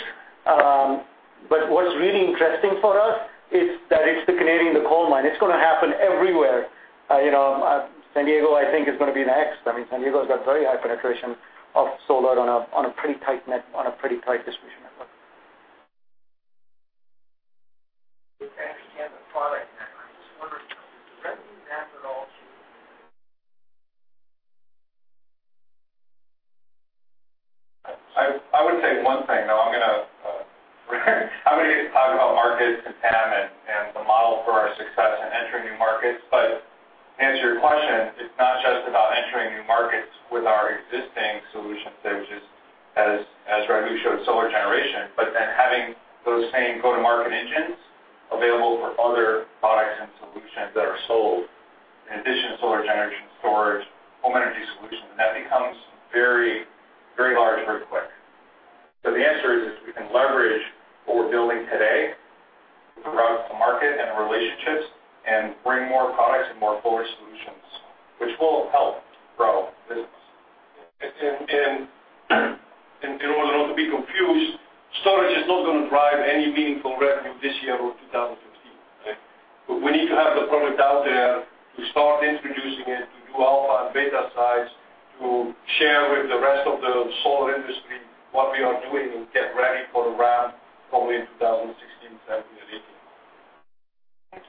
What's really interesting for us is that it's the canary in the coal mine. It's going to happen everywhere. San Diego, I think, is going to be next. I mean, San Diego's got very high penetration of solar on a pretty tight distribution network. You actually have the product now. I'm just wondering, does it threaten that at all to I would say one thing, though I'm going to talk about markets and TAM and the model for our success in entering new markets. To answer your question, it's not just about entering new markets with our existing solutions, say, which is, as Raghu showed, solar generation, but then having those same go-to-market engines available for other products and solutions that are sold in addition to solar generation, storage, home energy solutions. That becomes very large, very quick. The answer is, we can leverage what we're building today throughout the market and the relationships and bring more products and more forward solutions, which will help grow business. In order not to be confused, storage is not going to drive any meaningful revenue this year or 2015. We need to have the product out there to start introducing it to do alpha and beta sites to share with the rest of the solar industry what we are doing and get ready for the ramp probably in 2016, 2017.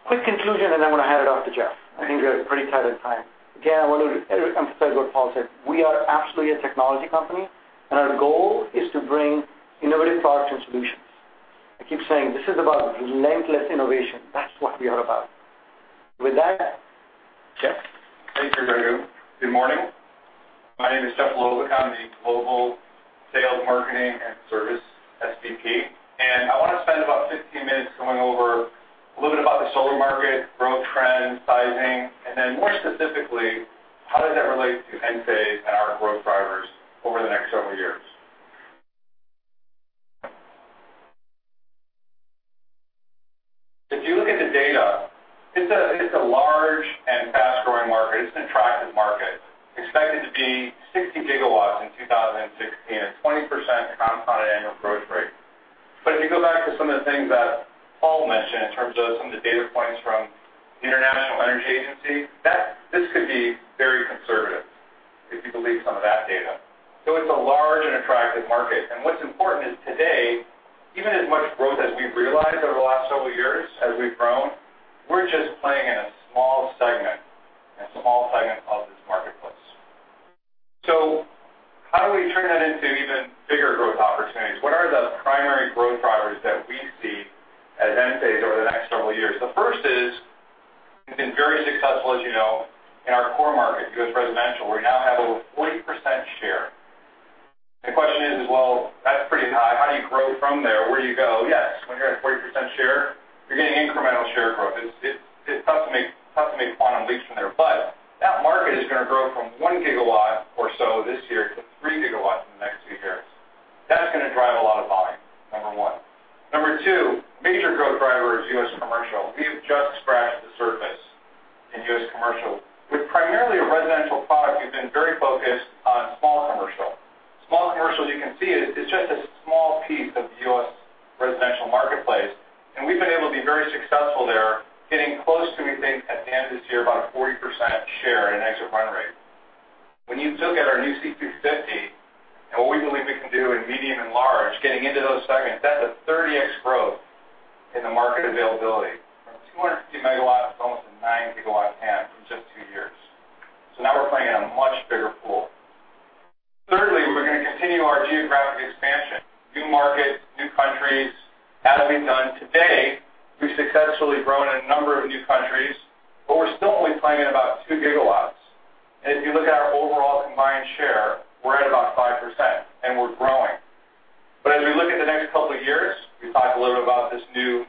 Quick conclusion, and then I'm going to hand it off to Jeff. I think we are pretty tight on time. Again, I want to re-emphasize what Paul said. We are absolutely a technology company, and our goal is to bring innovative products and solutions. I keep saying this is about relentless innovation. That's what we are about. With that, Jeff. Thank you, Raghu. Good morning. My name is Jeff Loebbaka. I'm the Global Sales, Marketing, and Service SVP. I want to spend about 15 minutes going over a little bit about the solar market, growth trends, sizing, and then more specifically, how does that relate to Enphase and our growth drivers over the next several years. If you look at the data, it's a large and fast-growing market. It's an attractive market, expected to be 60 gigawatts in 2016, a 20% compounded annual growth rate. If you go back to some of the things that Paul mentioned in terms of some of the data points from the International Energy Agency, this could be very conservative if you believe some of that data. It's a large and attractive market, and what's important is today, even as much growth as we've realized over the last several years as we've grown, we're just playing in a small segment of this marketplace. How do we turn that into even bigger growth opportunities? What are the primary growth drivers that we see at Enphase over the next several years? The first is we've been very successful, as you know, in our core market, U.S. residential. We now have over 40% share. The question is, well, that's pretty high. How do you grow from there? Where do you go? Yes. When you're at 40% share, you're getting incremental share growth. It's tough to make quantum leaps from there. That market is going to grow from one gigawatt or so this year to three gigawatts in the next few years. That's going to drive a lot of volume, number one. Number two, major growth driver is U.S. commercial. We have just scratched the surface in U.S. commercial. With primarily a residential product, we've been very focused on small commercial. Small commercial, you can see, is just a small piece of the U.S. residential marketplace, and we've been able to be very successful there, getting close to, we think, at the end of this year, about a 40% share in exit run rate. When you look at our new C250 and what we believe we can do in medium and large, getting into those segments, that's a 30x growth in the market availability from 250 MW to almost a 9 GW TAM in just two years. Now, we're playing in a much bigger pool. Thirdly, we're going to continue our geographic expansion. New markets, new countries, as we've done to date, we've successfully grown in a number of new countries, but we're still only playing in about 2 GW. If you look at our overall combined share, we're at about 5%, and we're growing. As we look at the next couple of years, we talked a little bit about this new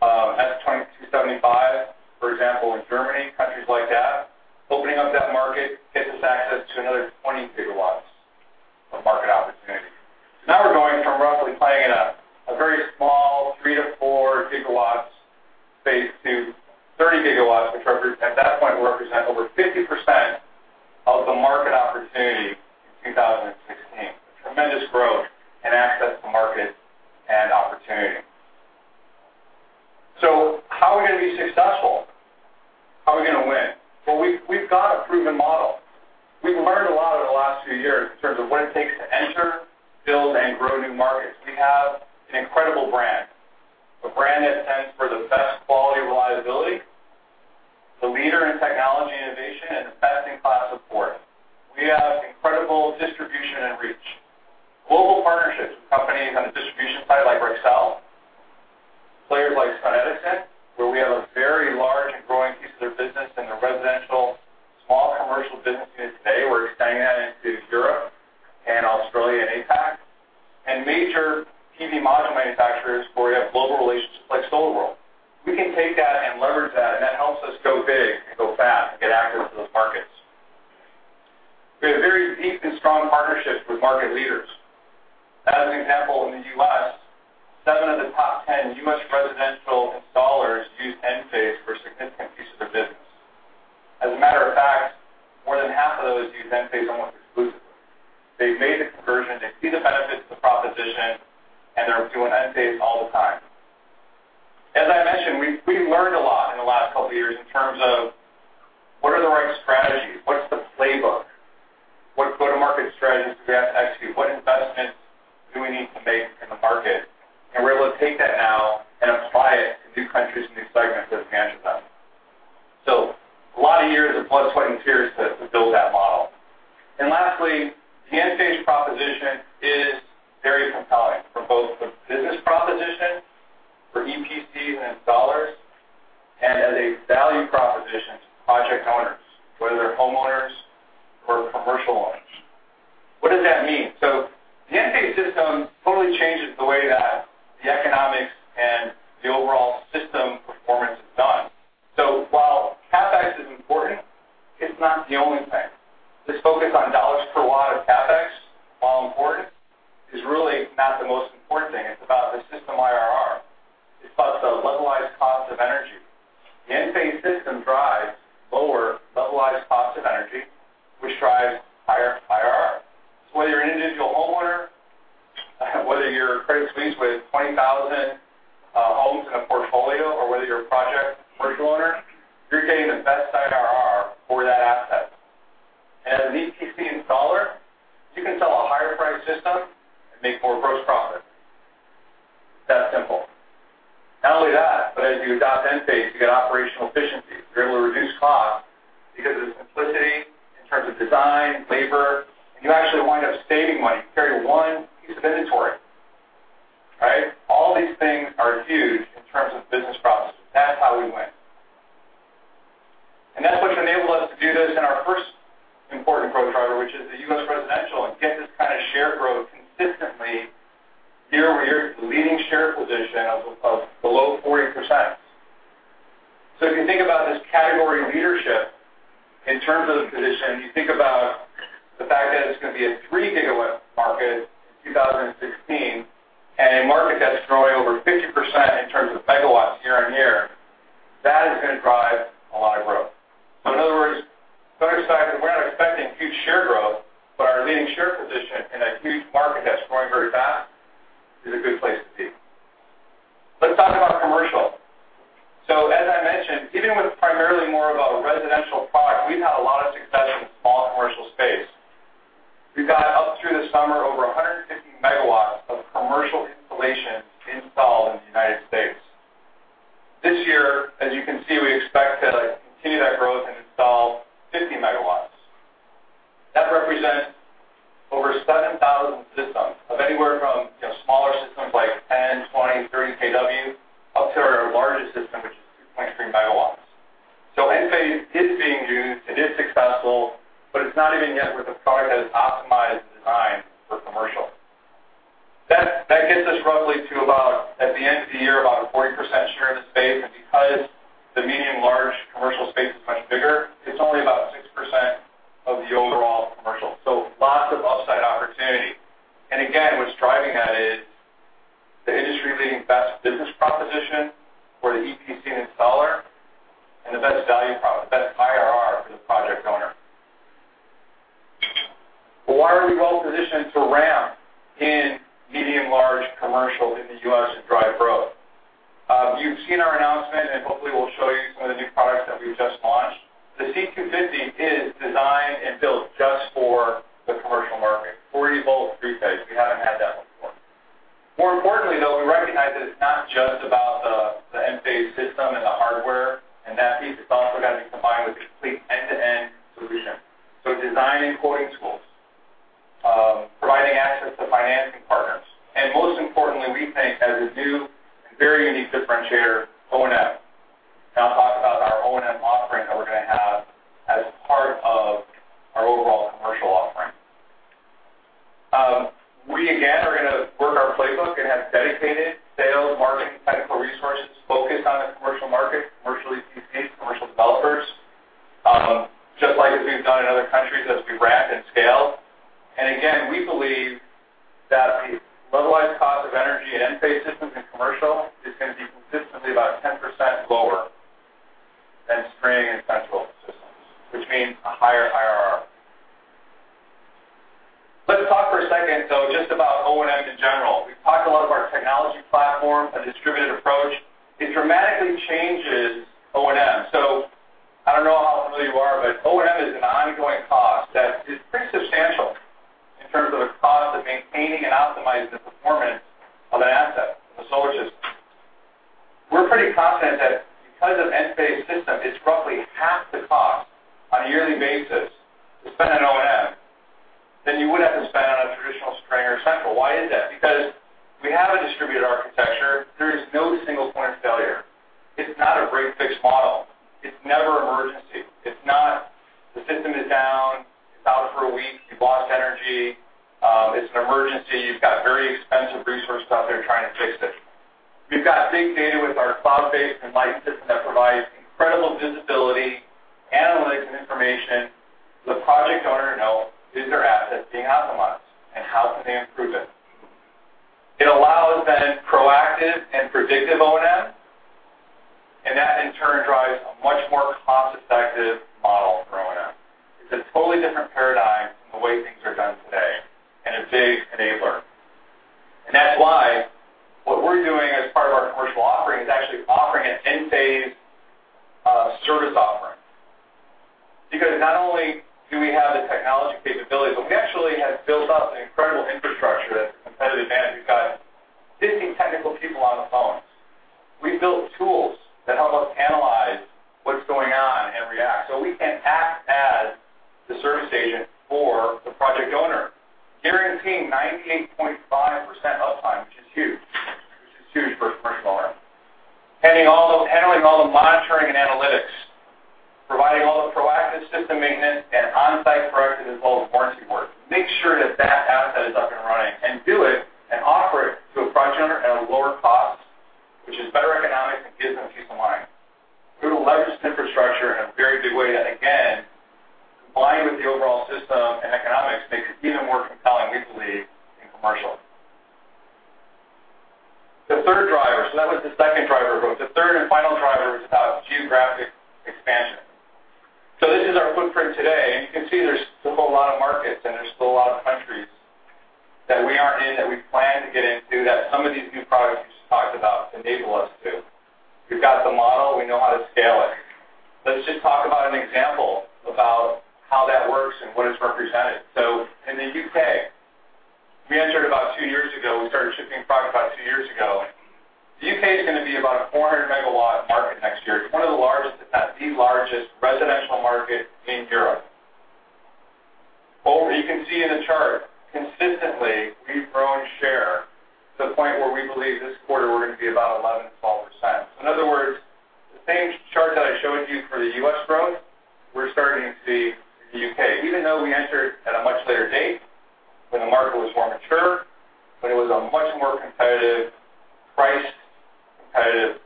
S275, for example, in Germany, countries like that, opening up that market gets us access to another 20 GW of market opportunity. Now, we're going from roughly playing in a very small 3 GW to 4 GW space to 30 GW, which at that point will represent over 50% of the market opportunity in 2016. A tremendous growth in access to market and opportunity. How are we going to be successful? How are we going to win? Well, we've got a proven model. We've learned a lot over the last few years in terms of what it takes to enter, build, and grow new markets. We have an incredible brand, a brand that stands for the best quality reliability, the leader in technology innovation, and best-in-class support. We have incredible distribution and reach. Global partnerships with companies on the distribution side, like Rexel, players like SunEdison, where we have a very large and growing piece of their business in the residential small commercial business unit today. We're expanding that into Europe and Australia and APAC. Major PV module manufacturers where we have global relationships, like SolarWorld. We can take that and leverage that, and that helps us go big and go fast and get access to those markets. We have very deep and strong partnerships with market leaders. As an example, in the U.S., seven of the top 10 U.S. residential installers use Enphase for a significant piece of their business. As a matter of fact, more than half of those use Enphase almost exclusively. They've made the conversion, they see the benefits of the proposition, and they're doing Enphase all the time. As I mentioned, we've learned a lot in the last couple of years in terms of what are the right strategies, what's the playbook, what go-to-market strategies do we have to execute, what investments do we need to make in the market? We're able to take that now and apply it to new countries and new segments as we enter them. A lot of years of blood, sweat, and tears to build that model. The Enphase proposition is very compelling for both the business proposition for EPC and installers and as a value proposition to project owners, whether they're homeowners or commercial owners. What does that mean? The Enphase system totally changes the way that the economics and the overall system performance is done. While CapEx is important, it's not the only thing. This focus on $ per watt of CapEx, while important, is really not the most important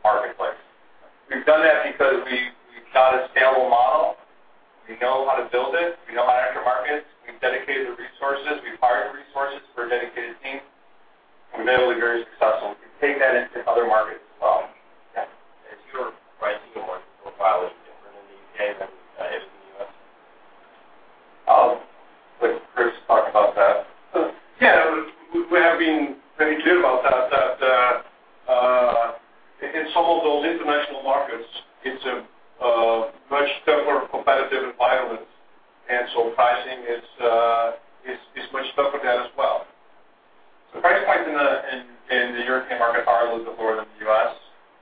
marketplace. We've done that because we've got a scalable model. We know how to build it. We know how to enter markets. We've dedicated the resources. We've hired the resources for a dedicated team, and we've been able to be very successful. We can take that into other markets as well. Yeah. Is your pricing and market profile different in the U.K. than it is in the U.S.? I'll let Chris talk about that. Yeah. We have been very clear about that in some of those international markets, it's a much tougher competitive environment, pricing is much tougher there as well. Price points in the European market are a little bit lower than the U.S.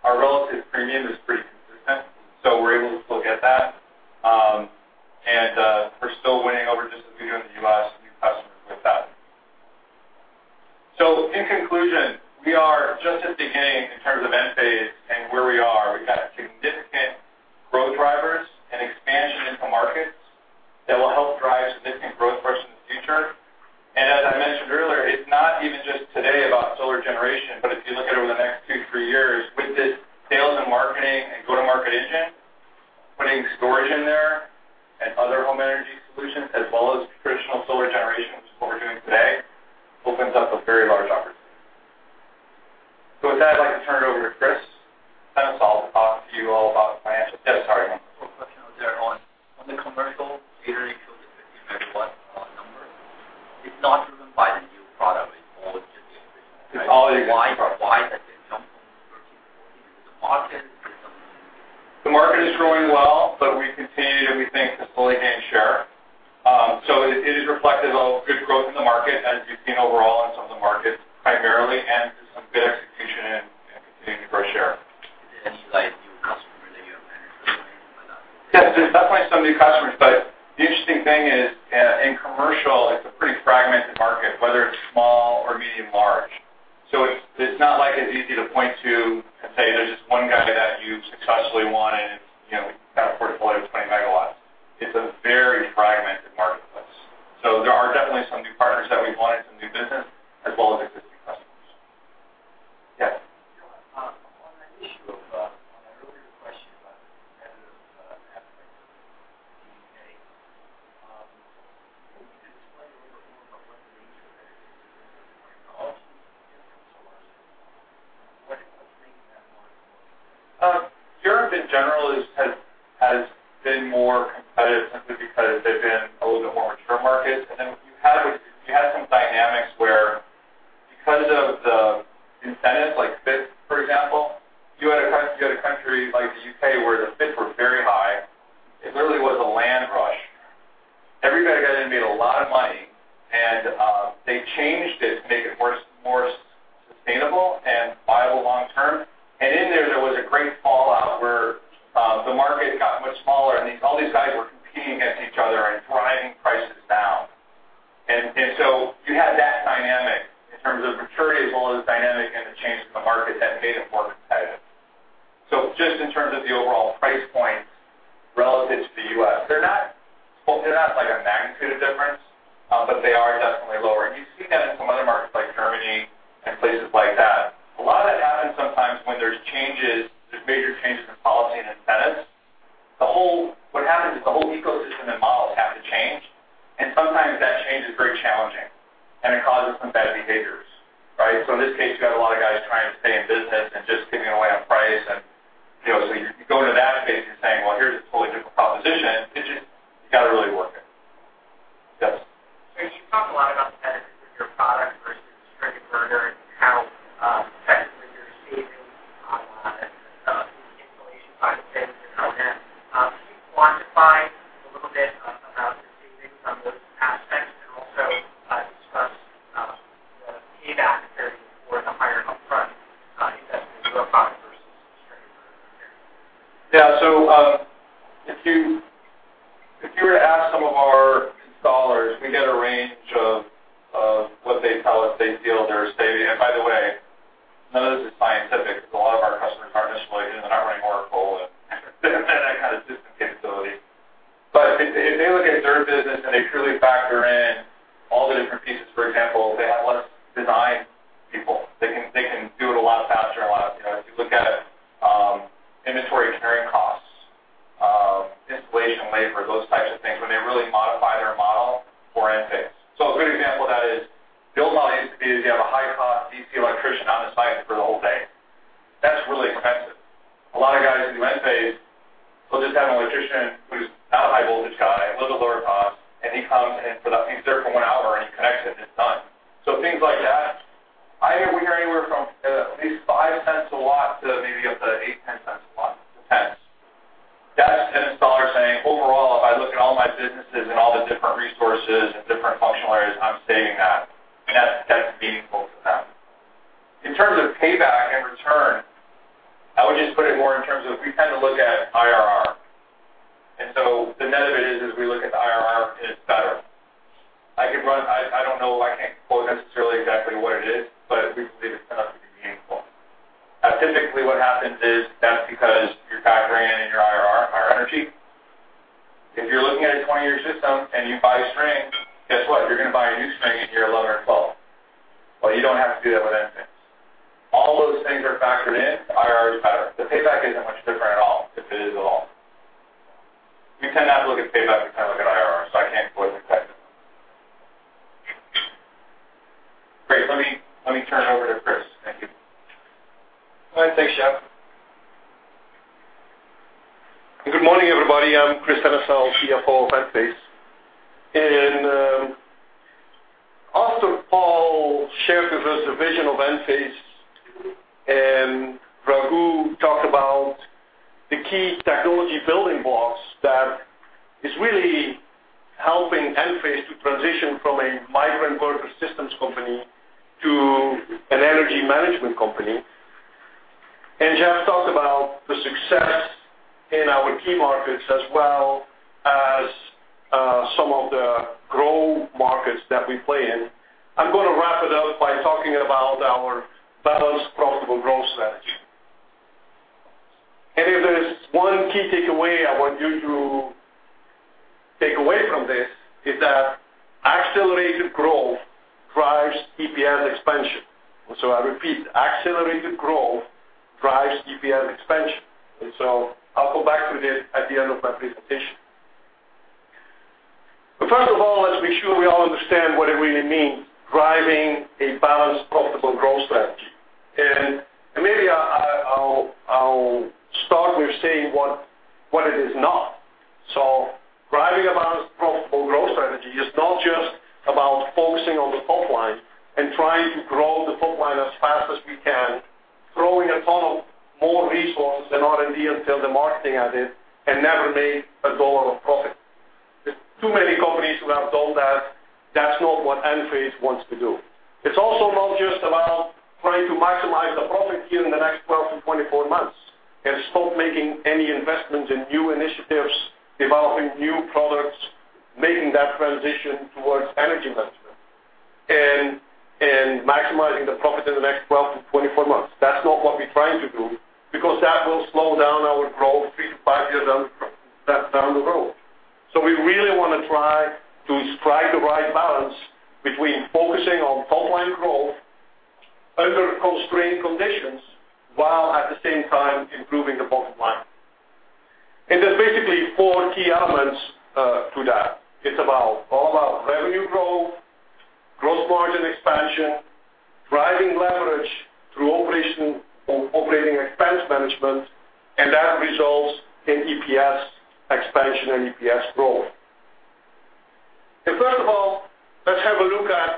Our relative premium is pretty consistent, we're able to still get that. We're still winning over, just as we do in the U.S., new customers with that. In conclusion, we are just at the beginning in terms of Enphase and where we are. We've got significant growth drivers and expansion into markets that will help drive significant growth for us in the future. As I mentioned earlier, it's not even just today about solar generation, but if you look at it over the next two, three years with this sales and marketing and go-to-market engine, putting storage in there and other home energy solutions, as well as traditional solar generation, which is what we're doing today, opens up a very large opportunity. With that, I'd like to turn it over to Kris Sennesael to talk to you all about the. Yes, sorry. One question there on the commercial, you already showed the 50-megawatt number. It's not driven by the new product, it's all just the existing. It's all existing. Why has it jumped from 13 to 14 in the market? Is it something? The market is growing well, We've continued, we think, to fully gain share. It is reflective of good growth in the market, as you've seen overall in some of the markets primarily, and some good execution and continuing to grow share. Any new customers that you have managed or anything like that? Yes, there's definitely some new customers. The interesting thing is in commercial, it's a pretty fragmented market, whether it's small or medium large. It's not like it's easy to point to and say there's this one guy that you've successfully won and we've got a portfolio of 20 MW. It's a very fragmented marketplace. There are definitely some new partners that we've won and some new business, as well as existing customers. Yes. On that issue of, on that earlier question about the competitive aspect of the U.K., maybe you could explain a little bit more about what the nature of that is in terms of technology and solar. What's making that market more. Europe in general has been more competitive simply because they've been a little bit more mature markets. You had some dynamics the key technology building blocks that is really helping Enphase to transition from a microinverter systems company to an energy management company, Jeff talked about the success in our key markets, as well as some of the growth markets that we play in, I'm going to wrap it up by talking about our balanced, profitable growth strategy. If there's one key takeaway I want you to take away from this, it's that accelerated growth drives EPS expansion. I repeat, accelerated growth drives EPS expansion. I'll go back to this at the end of my presentation. First of all, let's make sure we all understand what it really means, driving a balanced, profitable growth strategy. Maybe I'll start with saying what it is not. Driving a balanced, profitable growth strategy is not just about focusing on the top line and trying to grow the top line as fast as we can, throwing a ton of more resources in R&D until the marketing added, and never made a $1 of profit. There's too many companies who have done that. That's not what Enphase wants to do. It's also not just about trying to maximize the profit here in the next 12-24 months, and stop making any investments in new initiatives, developing new products, making that transition towards energy management, and maximizing the profit in the next 12-24 months. That's not what we're trying to do, because that will slow down our growth 3-5 years down the road. We really want to try to strike the right balance between focusing on top-line growth under constrained conditions, while at the same time improving the bottom line. There's basically four key elements to that. It's about all of our revenue growth, gross margin expansion, driving leverage through operating expense management, and that results in EPS expansion and EPS growth. First of all, let's have a look at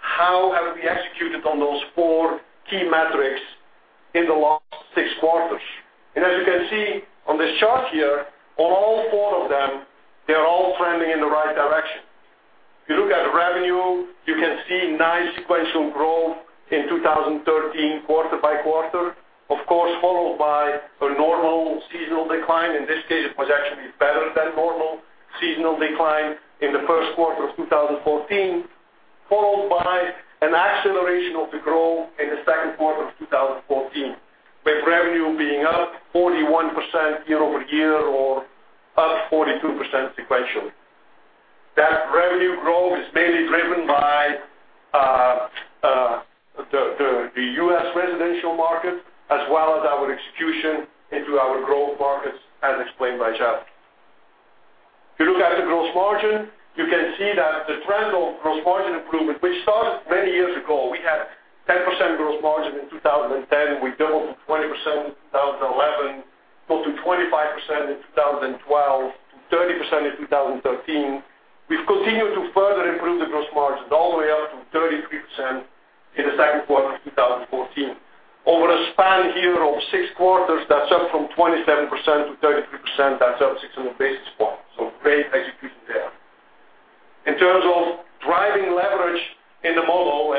how have we executed on those four key metrics in the last six quarters. As you can see on this chart here, on all four of them, they're all trending in the right direction. If you look at revenue, you can see nice sequential growth in 2013, quarter by quarter. Of course, followed by a normal seasonal decline. In this case, it was actually better than normal seasonal decline in the first quarter of 2014, followed by an acceleration of the growth in the second quarter of 2014, with revenue being up 41% year-over-year or up 42% sequentially. That revenue growth is mainly driven by the U.S. residential market, as well as our execution into our growth markets, as explained by Jeff. If you look at the gross margin, you can see that the trend of gross margin improvement, which started many years ago, we had 10% gross margin in 2010. We doubled to 20% in 2011, go to 25% in 2012, to 30% in 2013. We've continued to further improve the gross margin all the way up to 33% in the second quarter of 2014. Over a span here of six quarters, that's up from 27%-33%. That's up 600 basis points. Great execution there. In terms of driving leverage in the model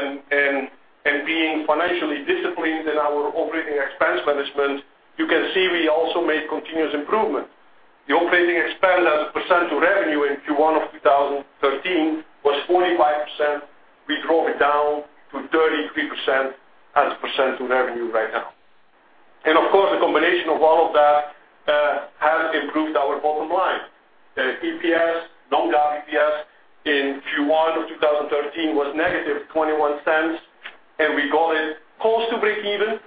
and being financially disciplined in our operating expense management, you can see we also made continuous improvement. The operating expense as a percent of revenue in Q1 2013 was 45%. We drove it down to 33% as a percent of revenue right now. Of course, the combination of all of that has improved our bottom line. The EPS, non-GAAP EPS, in Q1 2013 was -$0.21, and we got it close to breakeven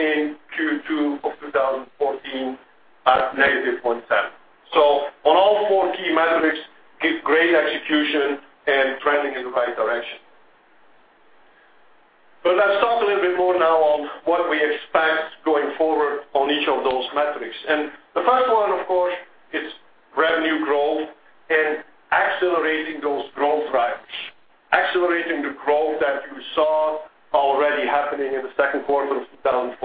in Q2 2014 at -$0.01. On all four key metrics, give great execution and trending in the right direction. The first one, of course, is revenue growth and accelerating those growth drivers. Accelerating the growth that you saw already happening in the second quarter of 2014.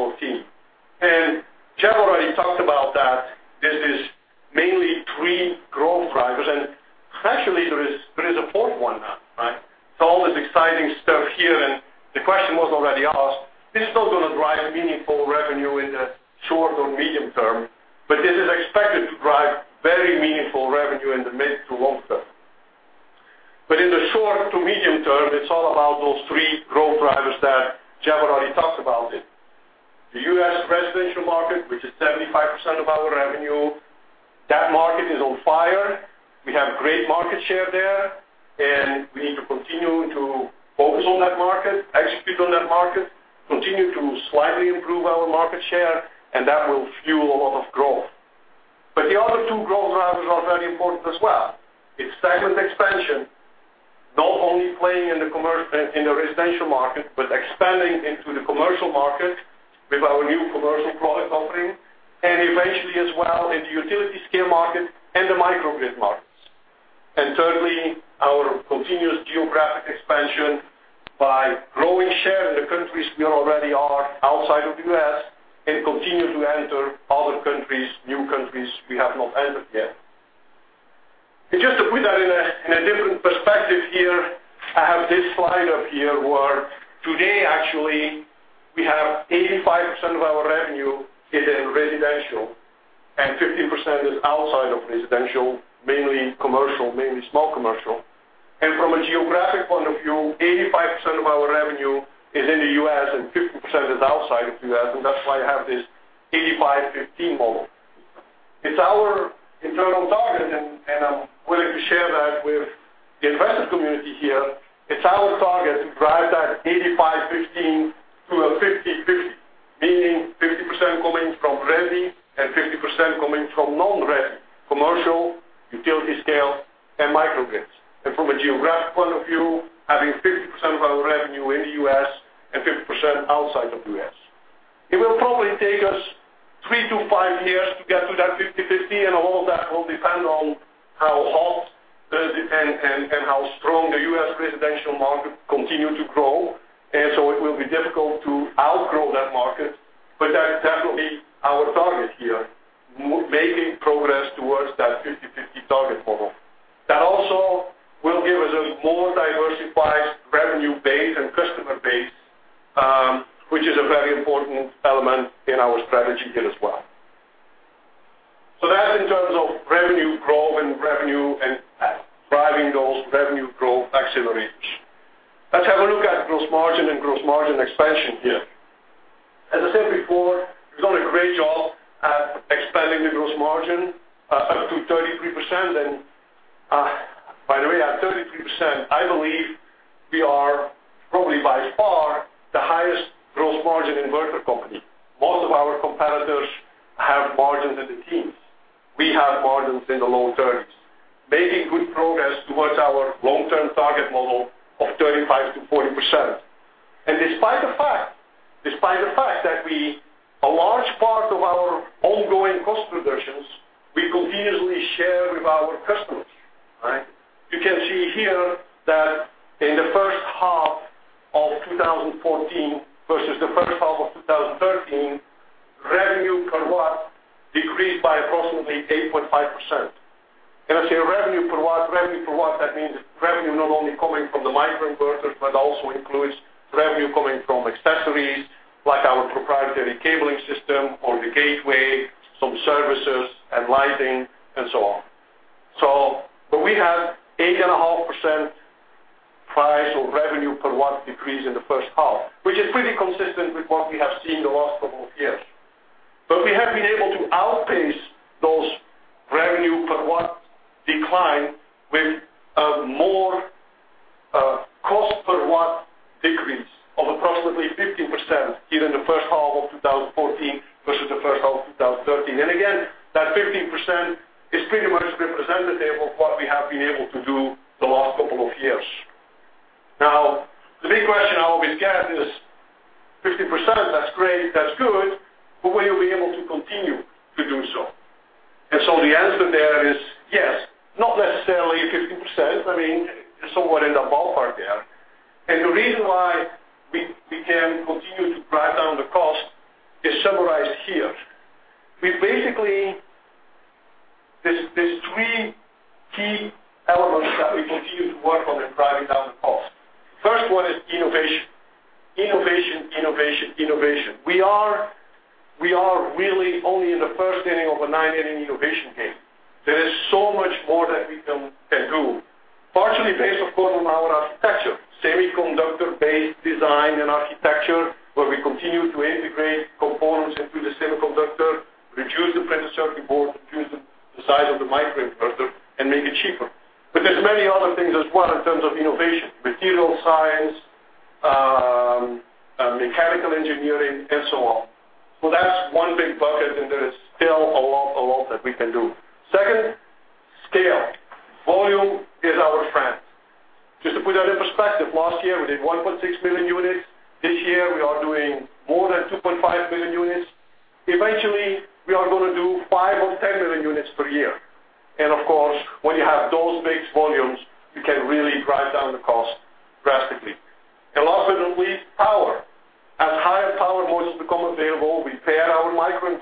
Jeff already talked about that. This is mainly three growth drivers, and actually, there is a fourth one now. All this exciting stuff here, the question was already asked. This is not going to drive meaningful revenue in the short or medium term, but this is expected to drive very meaningful revenue in the mid to long term. In the short to medium term, it's all about those three growth drivers that Jeff already talked about it. The U.S. residential market, which is 75% of our revenue, that market is on fire. We have great market share there, and we need to continue to focus on that market, execute on that market, continue to slightly improve our market share, and that will fuel a lot of growth. The other two growth drivers are very important as well. It's segment expansion, not only playing in the residential market, but expanding into the commercial market with our new commercial product offering, and eventually as well in the utility scale market and the microgrid markets. Thirdly, our continuous geographic expansion by growing share in the countries we already are outside of the U.S., and continue to enter other countries, new countries we have not entered yet. Just to put that in a different perspective here, I have this slide up here, where today, actually, we have 85% of our revenue is in residential, and 15% is outside of residential, mainly commercial, mainly small commercial. From a geographic point of view, 85% of our revenue is in the U.S., and 15% is outside of U.S., and that's why I have this 85/15 model. It's our internal target, and I'm willing to share that with the investment community here. It's our target to drive that 85/15 to a 50/50, meaning 50% coming from resi and 50% coming from non-resi: commercial, utility scale, and microgrids. From a geographic point of view, having 50% of our revenue in the U.S. and 50% outside of U.S. It will probably take us three to five years to get to that 50/50, and all of that will depend on how hot and how strong the U.S. residential market continue to grow. It will be difficult to outgrow that market, but that will be our target here, making progress towards that 50/50 target model. That also will give us a more diversified revenue base and customer base, which is a very important element in our strategy here as well. That's in terms of revenue growth and revenue and driving those revenue growth accelerators. Let's have a look at gross margin and gross margin expansion here. As I said before, we've done a great job at expanding the gross margin up to 33%. By the way, at 33%, I believe we are probably by far the highest gross margin inverter company. Most of our competitors have margins in the teens. We have margins in the low 30s, making good progress towards our long-term target model of 35%-40%. Despite the fact that a large part of our ongoing cost reductions, we continuously share with our customers. You can see here that in the first half of 2014 versus the first half of 2013, revenue per watt decreased by approximately 8.5%. I say revenue per watt, that means revenue not only coming from the microinverters, but also includes revenue coming from accessories like our proprietary cabling system or the gateway, some services and Enlighten, and so on. We have 8.5% price or revenue per watt decrease in the first half, which is pretty consistent with what we have seen in the last couple of years. We have been able to outpace those revenue per watt decline with a more cost per watt decrease of approximately 15% here in the first half of 2014 versus the first half of 2013. Again, that 15% is pretty much representative of what we have been able to do the last couple of years. The big question I always get is 15%, that's great, that's good, but will you be able to continue to do so? The answer there is yes, not necessarily 15%. I mean, somewhat in the ballpark there. The reason why we can continue to drive down the cost is summarized here. There's three key elements that we continue to work on in driving down the cost. First one is innovation. Innovation, innovation. We are really only in the first inning of a nine-inning innovation game. There is so much more that we can do, partially based, of course, on our architecture, semiconductor-based design and architecture, where we continue to integrate components into the semiconductor, reduce the printed circuit board, reduce the size of the microinverter, and make it cheaper. There's many other things as well in terms of innovation, material science, mechanical engineering, and so on. That's one big bucket, and there is still a lot that we can do. Second, scale. We did 1.6 million units. This year, we are doing more than 2.5 million units. Eventually, we are going to do 5 or 10 million units per year. Of course, when you have those base volumes, you can really drive down the cost drastically. Last but not least, power. As higher power modules become available, we pair those higher power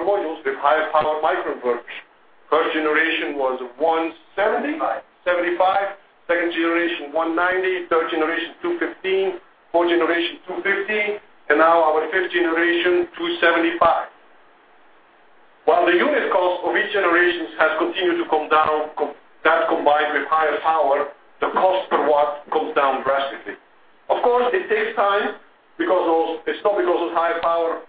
modules with higher power microinverters. First generation was 175. Second generation, 190. Third generation, 215. Fourth generation, 250. Now our fifth generation, 275. While the unit cost of each generation has continued to come down, that combined with higher power, the cost per watt comes down drastically. Of course, it takes time because it's not because those higher power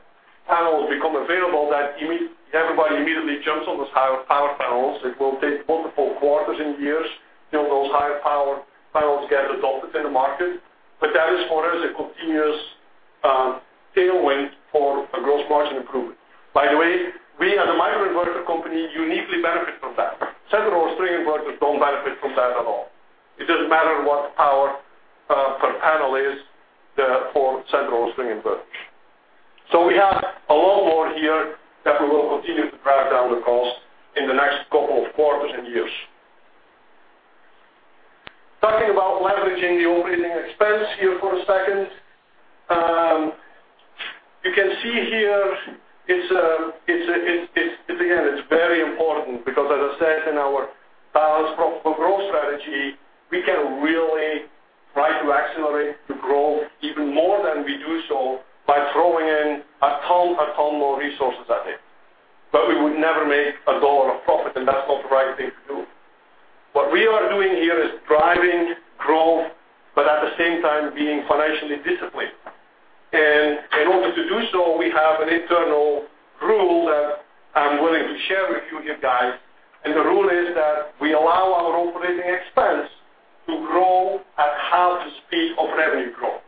panels become available, that everybody immediately jumps on those higher power panels. It will take multiple quarters and years till those higher power panels get adopted in the market. That is for us a continuous tailwind for a gross margin improvement. By the way, we as a microinverter company, uniquely benefit from that. Central or string inverters don't benefit from that at all. It doesn't matter what the power per panel is for central or string inverters. We have a lot more here that will continue to drive down the cost in the next couple of quarters and years. Talking about leveraging the operating expense here for a second. You can see here, again, it's very important because as I said in our balanced profitable growth strategy, we can really try to accelerate the growth even more than we do so by throwing in a ton more resources at it. We would never make a $1 of profit, and that's not the right thing to do. What we are doing here is driving growth, but at the same time being financially disciplined. In order to do so, we have an internal rule that I'm willing to share with you here, guys. The rule is that we allow our operating expense to grow at half the speed of revenue growth.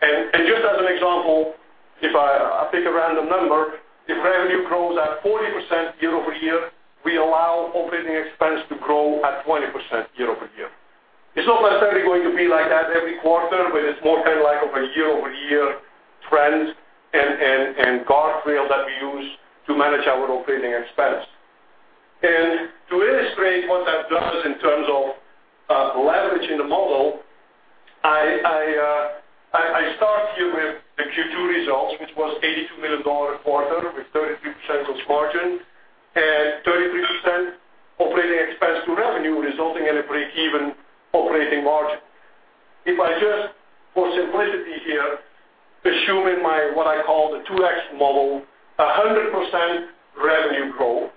Just as an example, if I pick a random number, if revenue grows at 40% year-over-year, we allow operating expense to grow at 20% year-over-year. It's not necessarily going to be like that every quarter, but it's more kind of like over a year-over-year trend and guardrail that we use to manage our operating expense. To illustrate what that does in terms of leveraging the model, I start here with the Q2 results, which was $82 million quarter with 33% gross margin and 33% operating expense to revenue, resulting in a breakeven operating margin. If I just, for simplicity here, assume in my what I call the 2x model, 100% revenue growth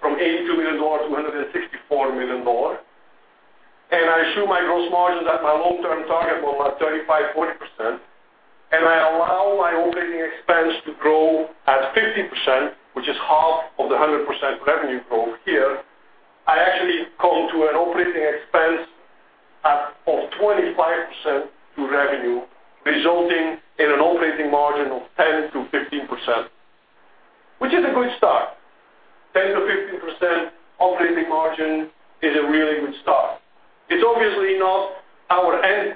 from $82 million to $164 million, I assume my gross margin is at my long-term target of about 35%-40%, and I allow my operating expense to grow at 50%, which is half of the 100% revenue growth here, I actually come to an operating expense of 25% to revenue, resulting in an operating margin of 10%-15%, which is a good start. 10%-15% operating margin is a really good start. It's obviously not our end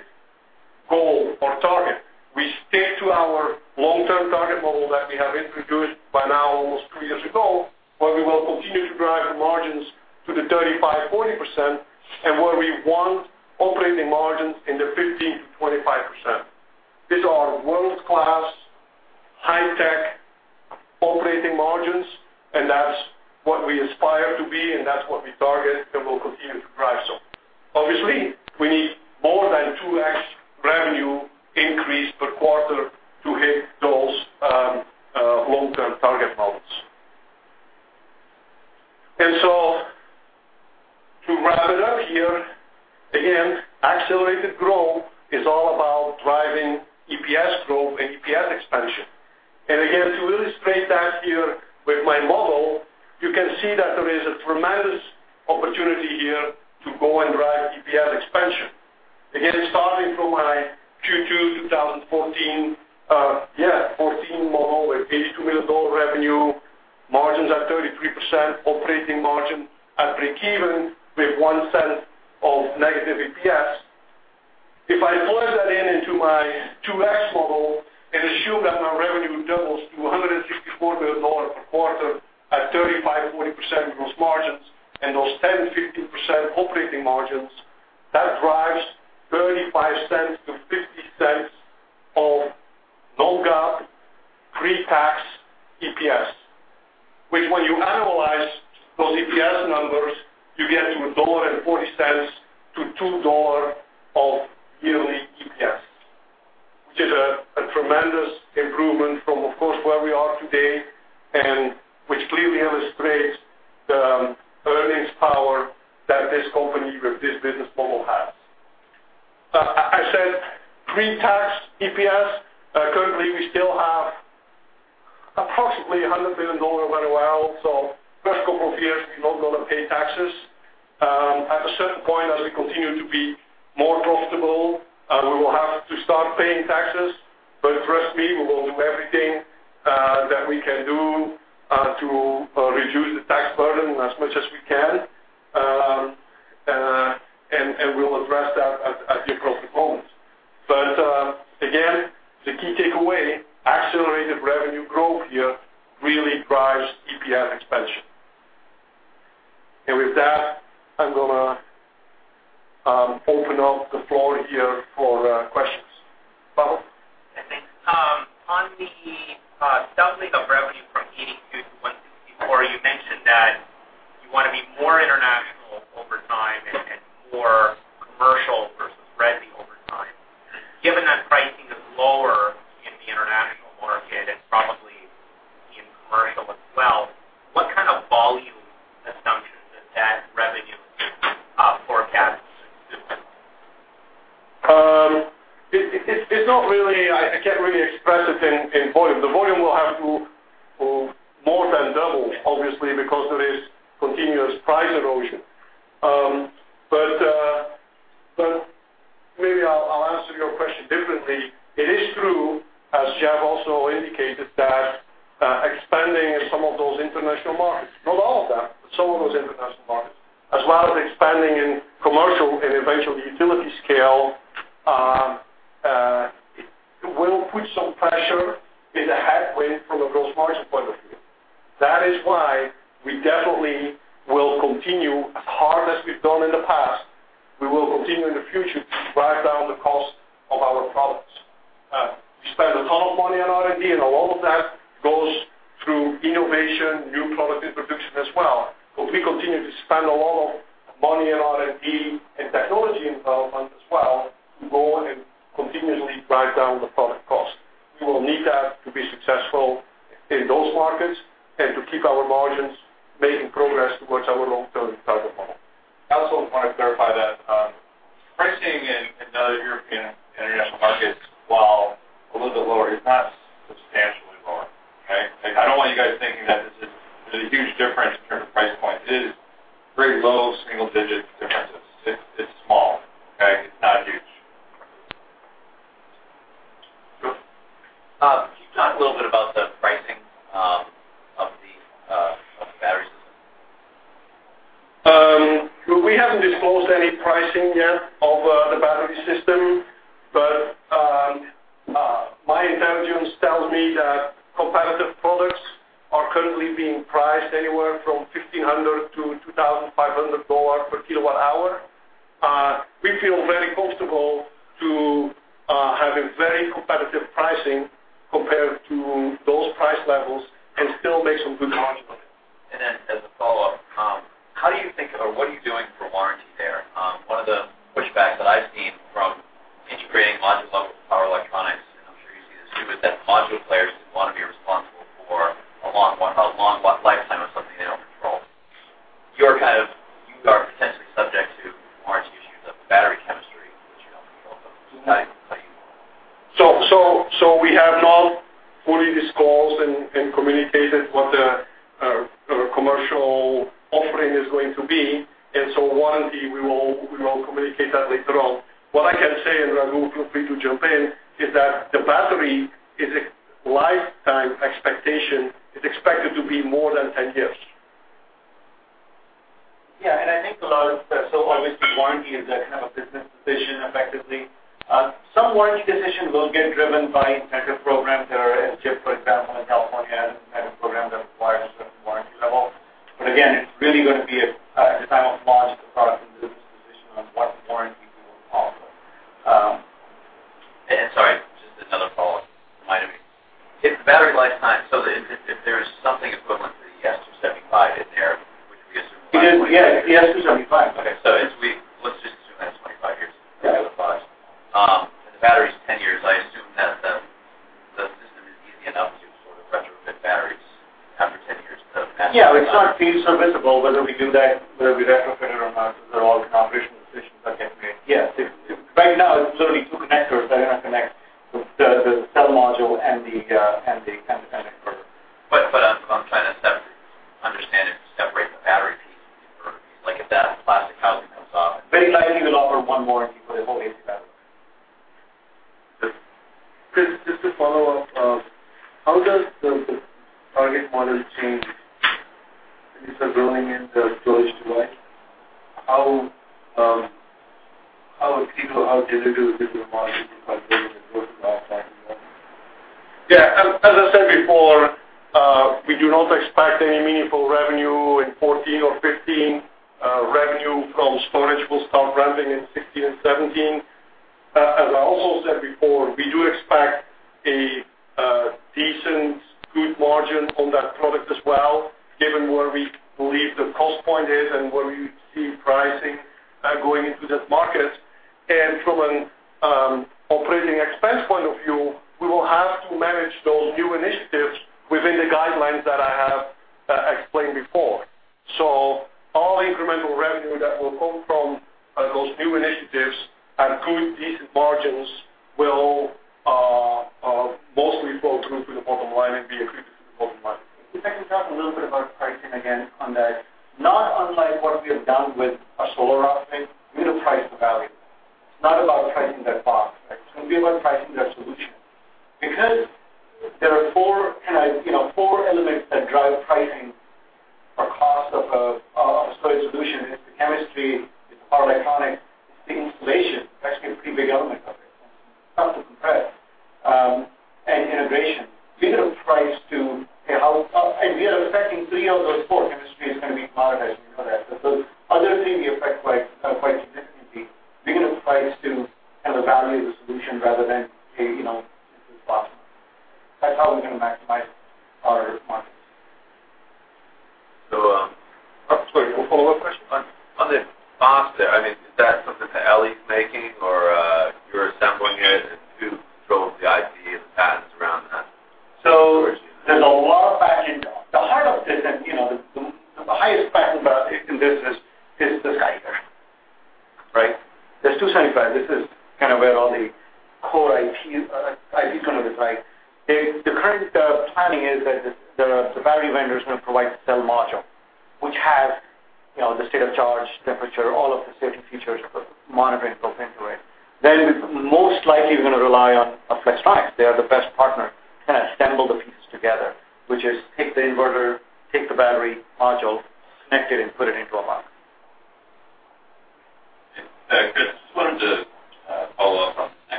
goal or target. We stick to our long-term target model that we have introduced by now almost three years ago, where we will continue to drive the margins to the 35%-40% and where we want operating margins in the 15%-25%. These are world-class, high-tech operating margins, and that's what we aspire to be, and that's what we target, and we'll continue to drive so. Obviously, we need more than 2x revenue increase per quarter to hit those long-term target models. To wrap it up here, again, accelerated growth is all about driving EPS growth and EPS expansion. Again, to illustrate that here with my model, you can see that there is a tremendous opportunity here to go and drive EPS expansion. Again, starting from my Q2 2014 model with $82 million revenue, margins at 33%, operating margin at breakeven with $0.01 of negative EPS. If I plug that in into my 2X model and assume that my revenue doubles to $164 million per quarter at 35%-40% gross margins and those 10%-15% operating margins, that drives $0.35-$0.50 of non-GAAP pre-tax EPS. Which when you annualize those EPS numbers, you get to $1.40-$2.00 of yearly EPS, which is a tremendous improvement from, of course, where we are today, and which clearly illustrates the earnings power that this company with this business model has. I said pre-tax EPS. Currently, we still have approximately $100 million of NOLs. First couple of years, we're not going to pay taxes. At a certain point, as we continue to be more profitable, we will have to start paying taxes. Trust me, we will do everything as much as we can, and we'll address that at the appropriate moment. Again, the key takeaway, accelerated revenue growth here really drives EPS expansion. With that, I'm going to open up the floor here for questions. Pavel? Thanks. On the doubling of revenue from $82 million to $164 million, you mentioned that you want to be more international over time and more commercial versus resi over time. Given that pricing is lower in the international market and probably in commercial as well, what kind of volume assumption does that revenue forecast assume? I can't really express it in volume. The volume will have to more than double, obviously, because of this continuous price erosion. Maybe I'll answer your question differently. It is true, as Jeff also indicated, that expanding in some of those international markets, not all of them, but some of those international markets, as well as expanding in commercial and eventually utility scale, it will put some pressure in the headwind from a growth margin point of view. That is why we definitely will continue, as hard as we've done in the past, we will continue in the future to drive down the cost of our products. We spend a ton of money on R&D, and a lot of that goes through innovation, new product introduction as well. We continue to spend a lot of money on R&D and technology involvement as well to go and continuously drive down the product cost. We will need that to be successful in those markets and to keep our margins making progress towards our long-term target model. I also want to clarify that pricing in other European international markets, while a little bit lower, is not substantially lower. Okay? I don't want you guys thinking that there's a huge difference in terms of price point. It is very low single-digit difference of six. It's small. Okay? It's not huge. Ruth. Could you talk a little bit about the pricing of the battery system? We haven't disclosed any pricing yet of the battery system, my intelligence tells me that competitive products are currently being priced anywhere from $1,500-$2,500 per kWh. We feel very comfortable to have a very competitive pricing compared to those price levels and still make some good margin on it. As a follow-up, how do you think about what are you doing for warranty there? One of the pushbacks that I've seen from integrating module level with power electronics, and I'm sure you see this too, is that module players want to be responsible for a long lifetime of something they don't control. You are potentially subject to warranty issues of the battery chemistry, which you don't control. How are you going about that? We have not fully disclosed and communicated what our commercial offering is going to be, and so warranty, we will communicate that later on. What I can say, and Raghu, feel free to jump in, is that the battery is a lifetime expectation, is expected to be more than 10 years. I think a lot of that, so obviously, warranty is a kind of a business decision, effectively. Some warranty decision will get driven by incentive programs that are, as Jeff, for example, in California, has an incentive program that requires a certain warranty level. Again, it's really going to be at the time of launch, the product and business decision on what warranty we will offer. Sorry, just another follow-up. Remind me. If the battery lifetime, so if there is something equivalent to the S270 in there. Yes, the S270. Okay, let's just assume that's 25 years. Yeah. The battery is 10 years. I assume that the system is easy enough to sort of retrofit batteries after 10 years. Yeah, it's not field serviceable. Whether we do that, whether we retrofit it or not, those are all configuration decisions that get made. Yeah. Right now, it's literally two connectors that are going to connect the cell module and the power connector. I'm trying to understand if you separate the battery piece. Like if that plastic housing comes off. Very likely we'll offer one warranty for the whole AC Battery. Chris, just to follow up, how does the target model change when you start going into storage device? How did it do with different margin impact than? Yeah. As I said before, we do not expect any meaningful revenue in 2014 or 2015. Revenue from storage will start ramping in 2016 and 2017. As I also said before, we do expect a decent, good margin on that product as well, given where we believe the cost point is and where we see pricing going into that market. From an operating expense point of view, we will have to manage those new initiatives within the guidelines that I have explained before. All incremental revenue that will come from those new initiatives at good, decent margins will mostly flow through to the bottom line and be accretive to the bottom line. If I can talk a little bit about pricing again on that. Not unlike what we have done with our solar offering, we will price their solution. There are four elements that drive pricing or cost of a storage solution, it's the chemistry, it's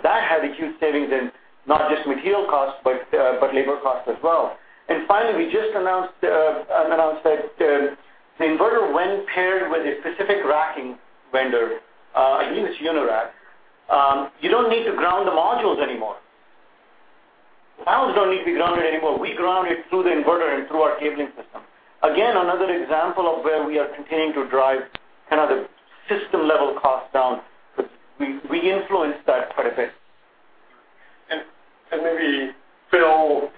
That had a huge savings in not just material costs, but labor costs as well. Finally, we just announced that the inverter, when paired with a specific racking vendor, I think it's Unirac, you don't need to ground the modules anymore. Panels don't need to be grounded anymore. We ground it through the inverter and through our cabling system. Again, another example of where we are continuing to drive the system-level cost down. We influence that quite a bit. Maybe, Phil,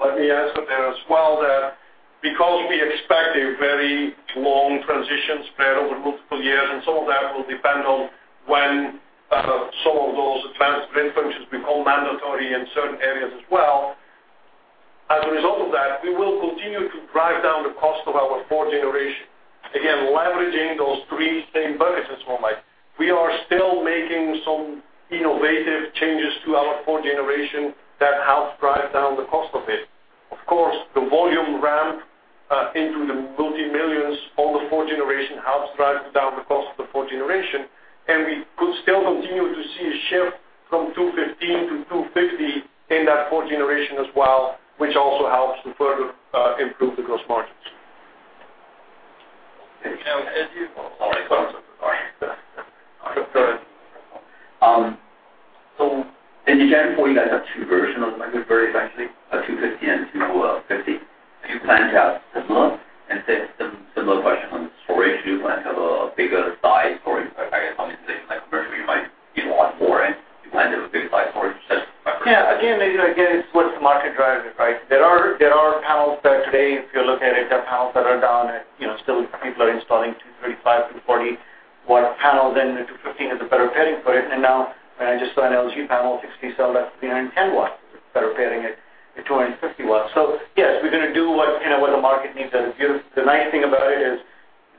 let me answer there as well, that because we expect a very long transition spread over multiple years, and some of that will depend on when some of those advanced grid functions become mandatory in certain areas as well. As a result of that, we will continue to drive down the cost of our fourth generation. Again, leveraging those three same buckets, if you don't mind. We are still making some innovative changes to our fourth generation that helps drive down the cost of it. Of course, the volume ramp into the multi-millions on the fourth generation helps drive down the cost of the fourth generation, and we could still continue to see a shift from 215 to 250 in that fourth generation as well, which also helps to further improve the gross margins. Can I ask you- Oh, I'm sorry. Go ahead. In the Gen4, you guys have two versions of microinverters, actually, a 250 and a 250. Do you plan to have similar? Similar question on storage, do you plan to have a bigger size storage? Obviously, commercially, you might want more and you planned a bigger size storage. Yeah. Again, it's what the market drives it. There are panels that today, if you look at it, there are panels that are down. Still people are installing 235, 240-watt panels, and the 215 is a better pairing for it. Now I just saw an LG panel, 60 cell, that's 310 watt. That are pairing it at 250 watts. Yes, we're going to do what the market needs. The nice thing about it is,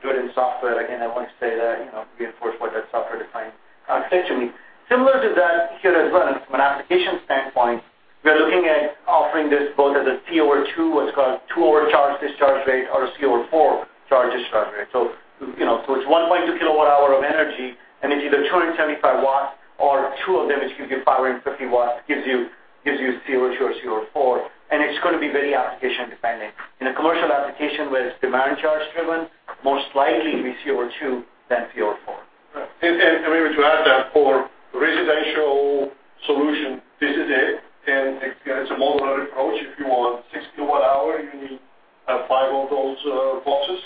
do it in software. Again, I want to say that, reinforce what that software defined concept should mean. Similar to that here as well, from an application standpoint, we are looking at offering this both as a C over two, what's called 2 overcharge discharge rate, or a C over four charge discharge rate. It's 1.2 kWh of energy, and it's either 275 W or two of them, which gives you 550 W, gives you C over two or C over four, and it's going to be very application dependent. In a commercial application where it's demand charge driven, most likely it'll be C over two than C over four. Right. Maybe to add to that, for residential solution, this is it, and again, it's a modular approach. If you want six kWh, you need five of those boxes.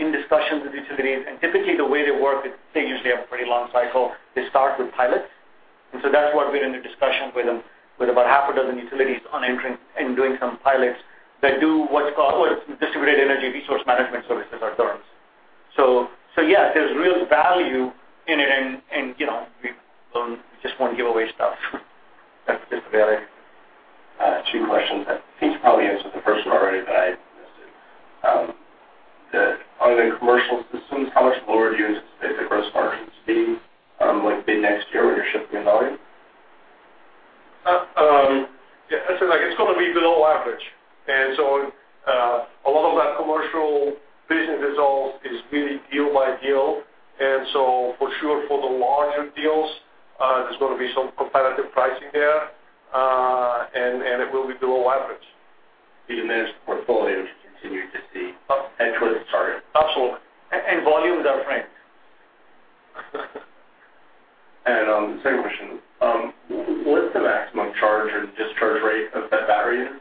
in discussions with utilities. Typically the way they work is, they usually have a pretty long cycle. They start with pilots. That's what we're in the discussion with them, with about half a dozen utilities on entering and doing some pilots that do what's called distributed energy resource management services or DERMS. Yeah, there's real value in it and we just won't give away stuff just yet. Two questions. I think you probably answered the first one already, but I missed it. On the commercial systems, how much lower do you anticipate the gross margin to be next year when you're shipping volume? It's going to be below average. A lot of that commercial business as well is really deal by deal. For sure, for the larger deals, there's going to be some competitive pricing there, and it will be below average. The managed portfolio, which you continue to see head towards the target. Absolutely. Volume is our friend. Second question. What's the maximum charge and discharge rate of that battery unit?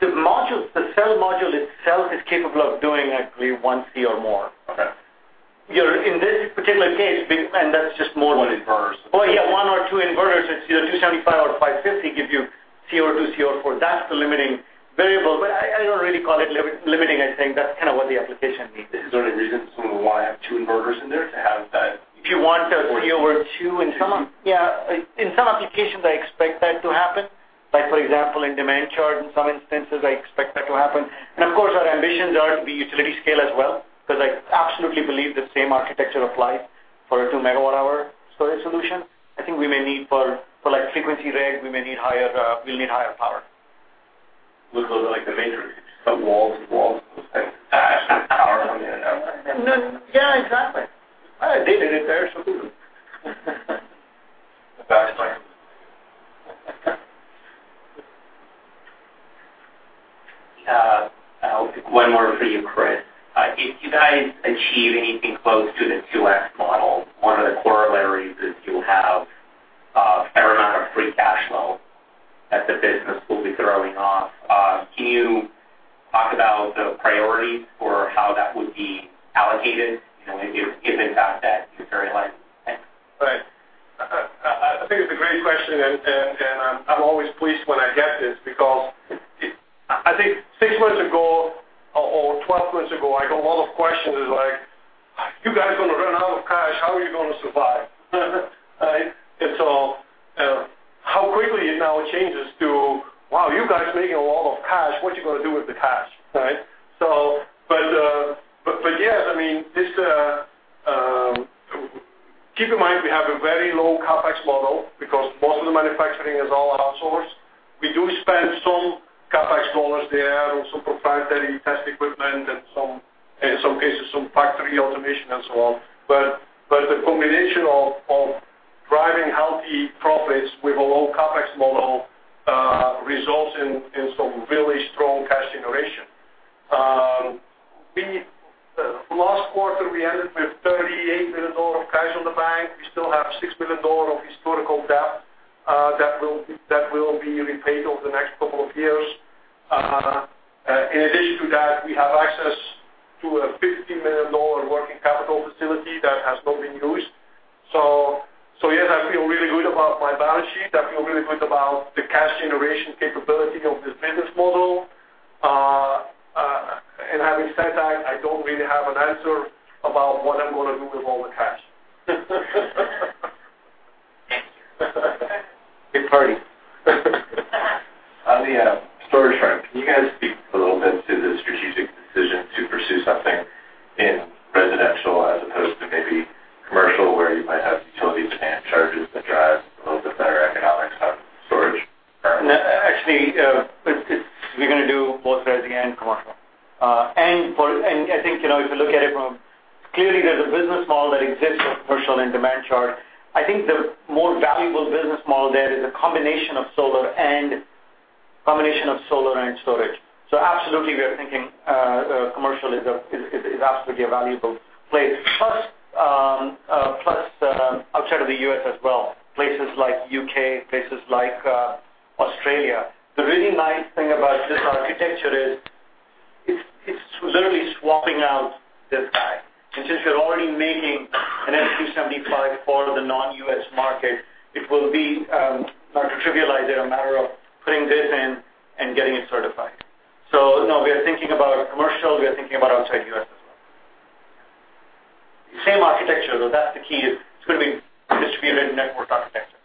The cell module itself is capable of doing actually one C or more. Okay. In this particular case. One inverters. Oh, yeah, one or two inverters. It's either 275 or 550 give you C over two, C over four. That's the limiting variable. I don't really call it limiting. I think that's what the application needs is. Is there any reason someone would want to have two inverters in there to have that? If you want a C over two in some. Yeah. In some applications, I expect that to happen. For example, in demand charge, in some instances, I expect that to happen. Of course, our ambitions are to be utility scale as well, because I absolutely believe the same architecture applies for a two-megawatt hour storage solution. I think we may need for frequency reg, we'll need higher power. Like the Matrix, but walls with absolute power from the universe. Yeah, exactly. They did it there, so too. That's right. One more for you, Chris. If you guys achieve anything close to the 2X model, one of the corollaries is you'll have fair amount of free cash flow that the business will be throwing off. Can you talk about the priorities for how that would be allocated, if in fact that you materialize? Thanks. Right. I think it's a great question, and I'm always pleased when I get this because I think six months ago or 12 months ago, I got a lot of questions like, "You guys are going to run out of cash. How are you going to survive?" Right? How quickly it now changes to, "Wow, you guys making a lot of cash. What you going to do with the cash?" Right? Yes, keep in mind, we have a very low CapEx model because most of the manufacturing is all outsourced. We do spend some CapEx dollars there on some proprietary test equipment and in some cases, some factory automation and so on. The combination of driving healthy profits with a low CapEx model results in some really strong cash generation. Last quarter, we ended with $38 million of cash on the bank. We still have $6 million of historical debt that will be repaid over the next couple of years. In addition to that, we have access to a $50 million working capital facility that has not been used. Yes, I feel really good about my balance sheet. I feel really good about the cash generation capability of this business model. Having said that, I don't really have an answer about what I'm going to do with all the cash. Big party. On the storage front, can you guys speak a little bit to the strategic decision to pursue something in residential as opposed to maybe commercial where you might have utilities and charges that drive a little bit better economics on storage front? Actually, we're going to do both residential and commercial. I think, if you look at it from, clearly, there's a business model that exists for commercial and demand charge. I think the more valuable business model there is a combination of solar and storage. Absolutely, we are thinking commercial is absolutely a valuable place. Plus, outside of the U.S. as well, places like U.K., places like Australia. The really nice thing about this architecture is it's literally swapping out this guy. Since you're already making an S275 for the non-U.S. market, it will be, not to trivialize it, a matter of putting this in and getting it certified. No, we are thinking about commercial, we are thinking about outside U.S. as well. Same architecture, though, that's the key, it's going to be distributed network architecture.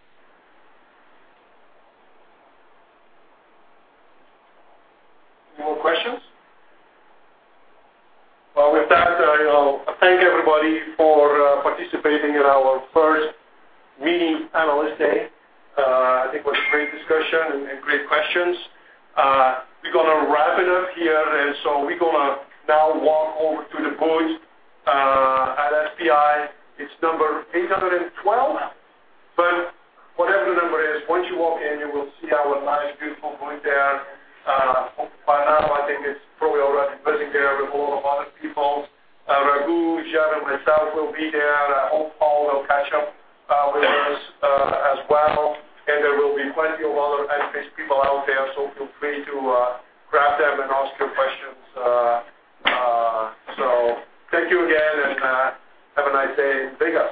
Any more questions? Well, with that, I thank everybody for participating in our first mini Analyst Day. I think it was a great discussion and great questions. We're going to wrap it up here. We're going to now walk over to the booth at SPI. It's number 812. Whatever the number is, once you walk in, you will see our nice, beautiful booth there. By now, I think it's probably already busy there with a lot of other people. Raghu, Jan, and myself will be there. I hope Paul will catch up with us as well. There will be plenty of other Enphase people out there, so feel free to grab them and ask your questions. Thank you again, and have a nice day in Vegas.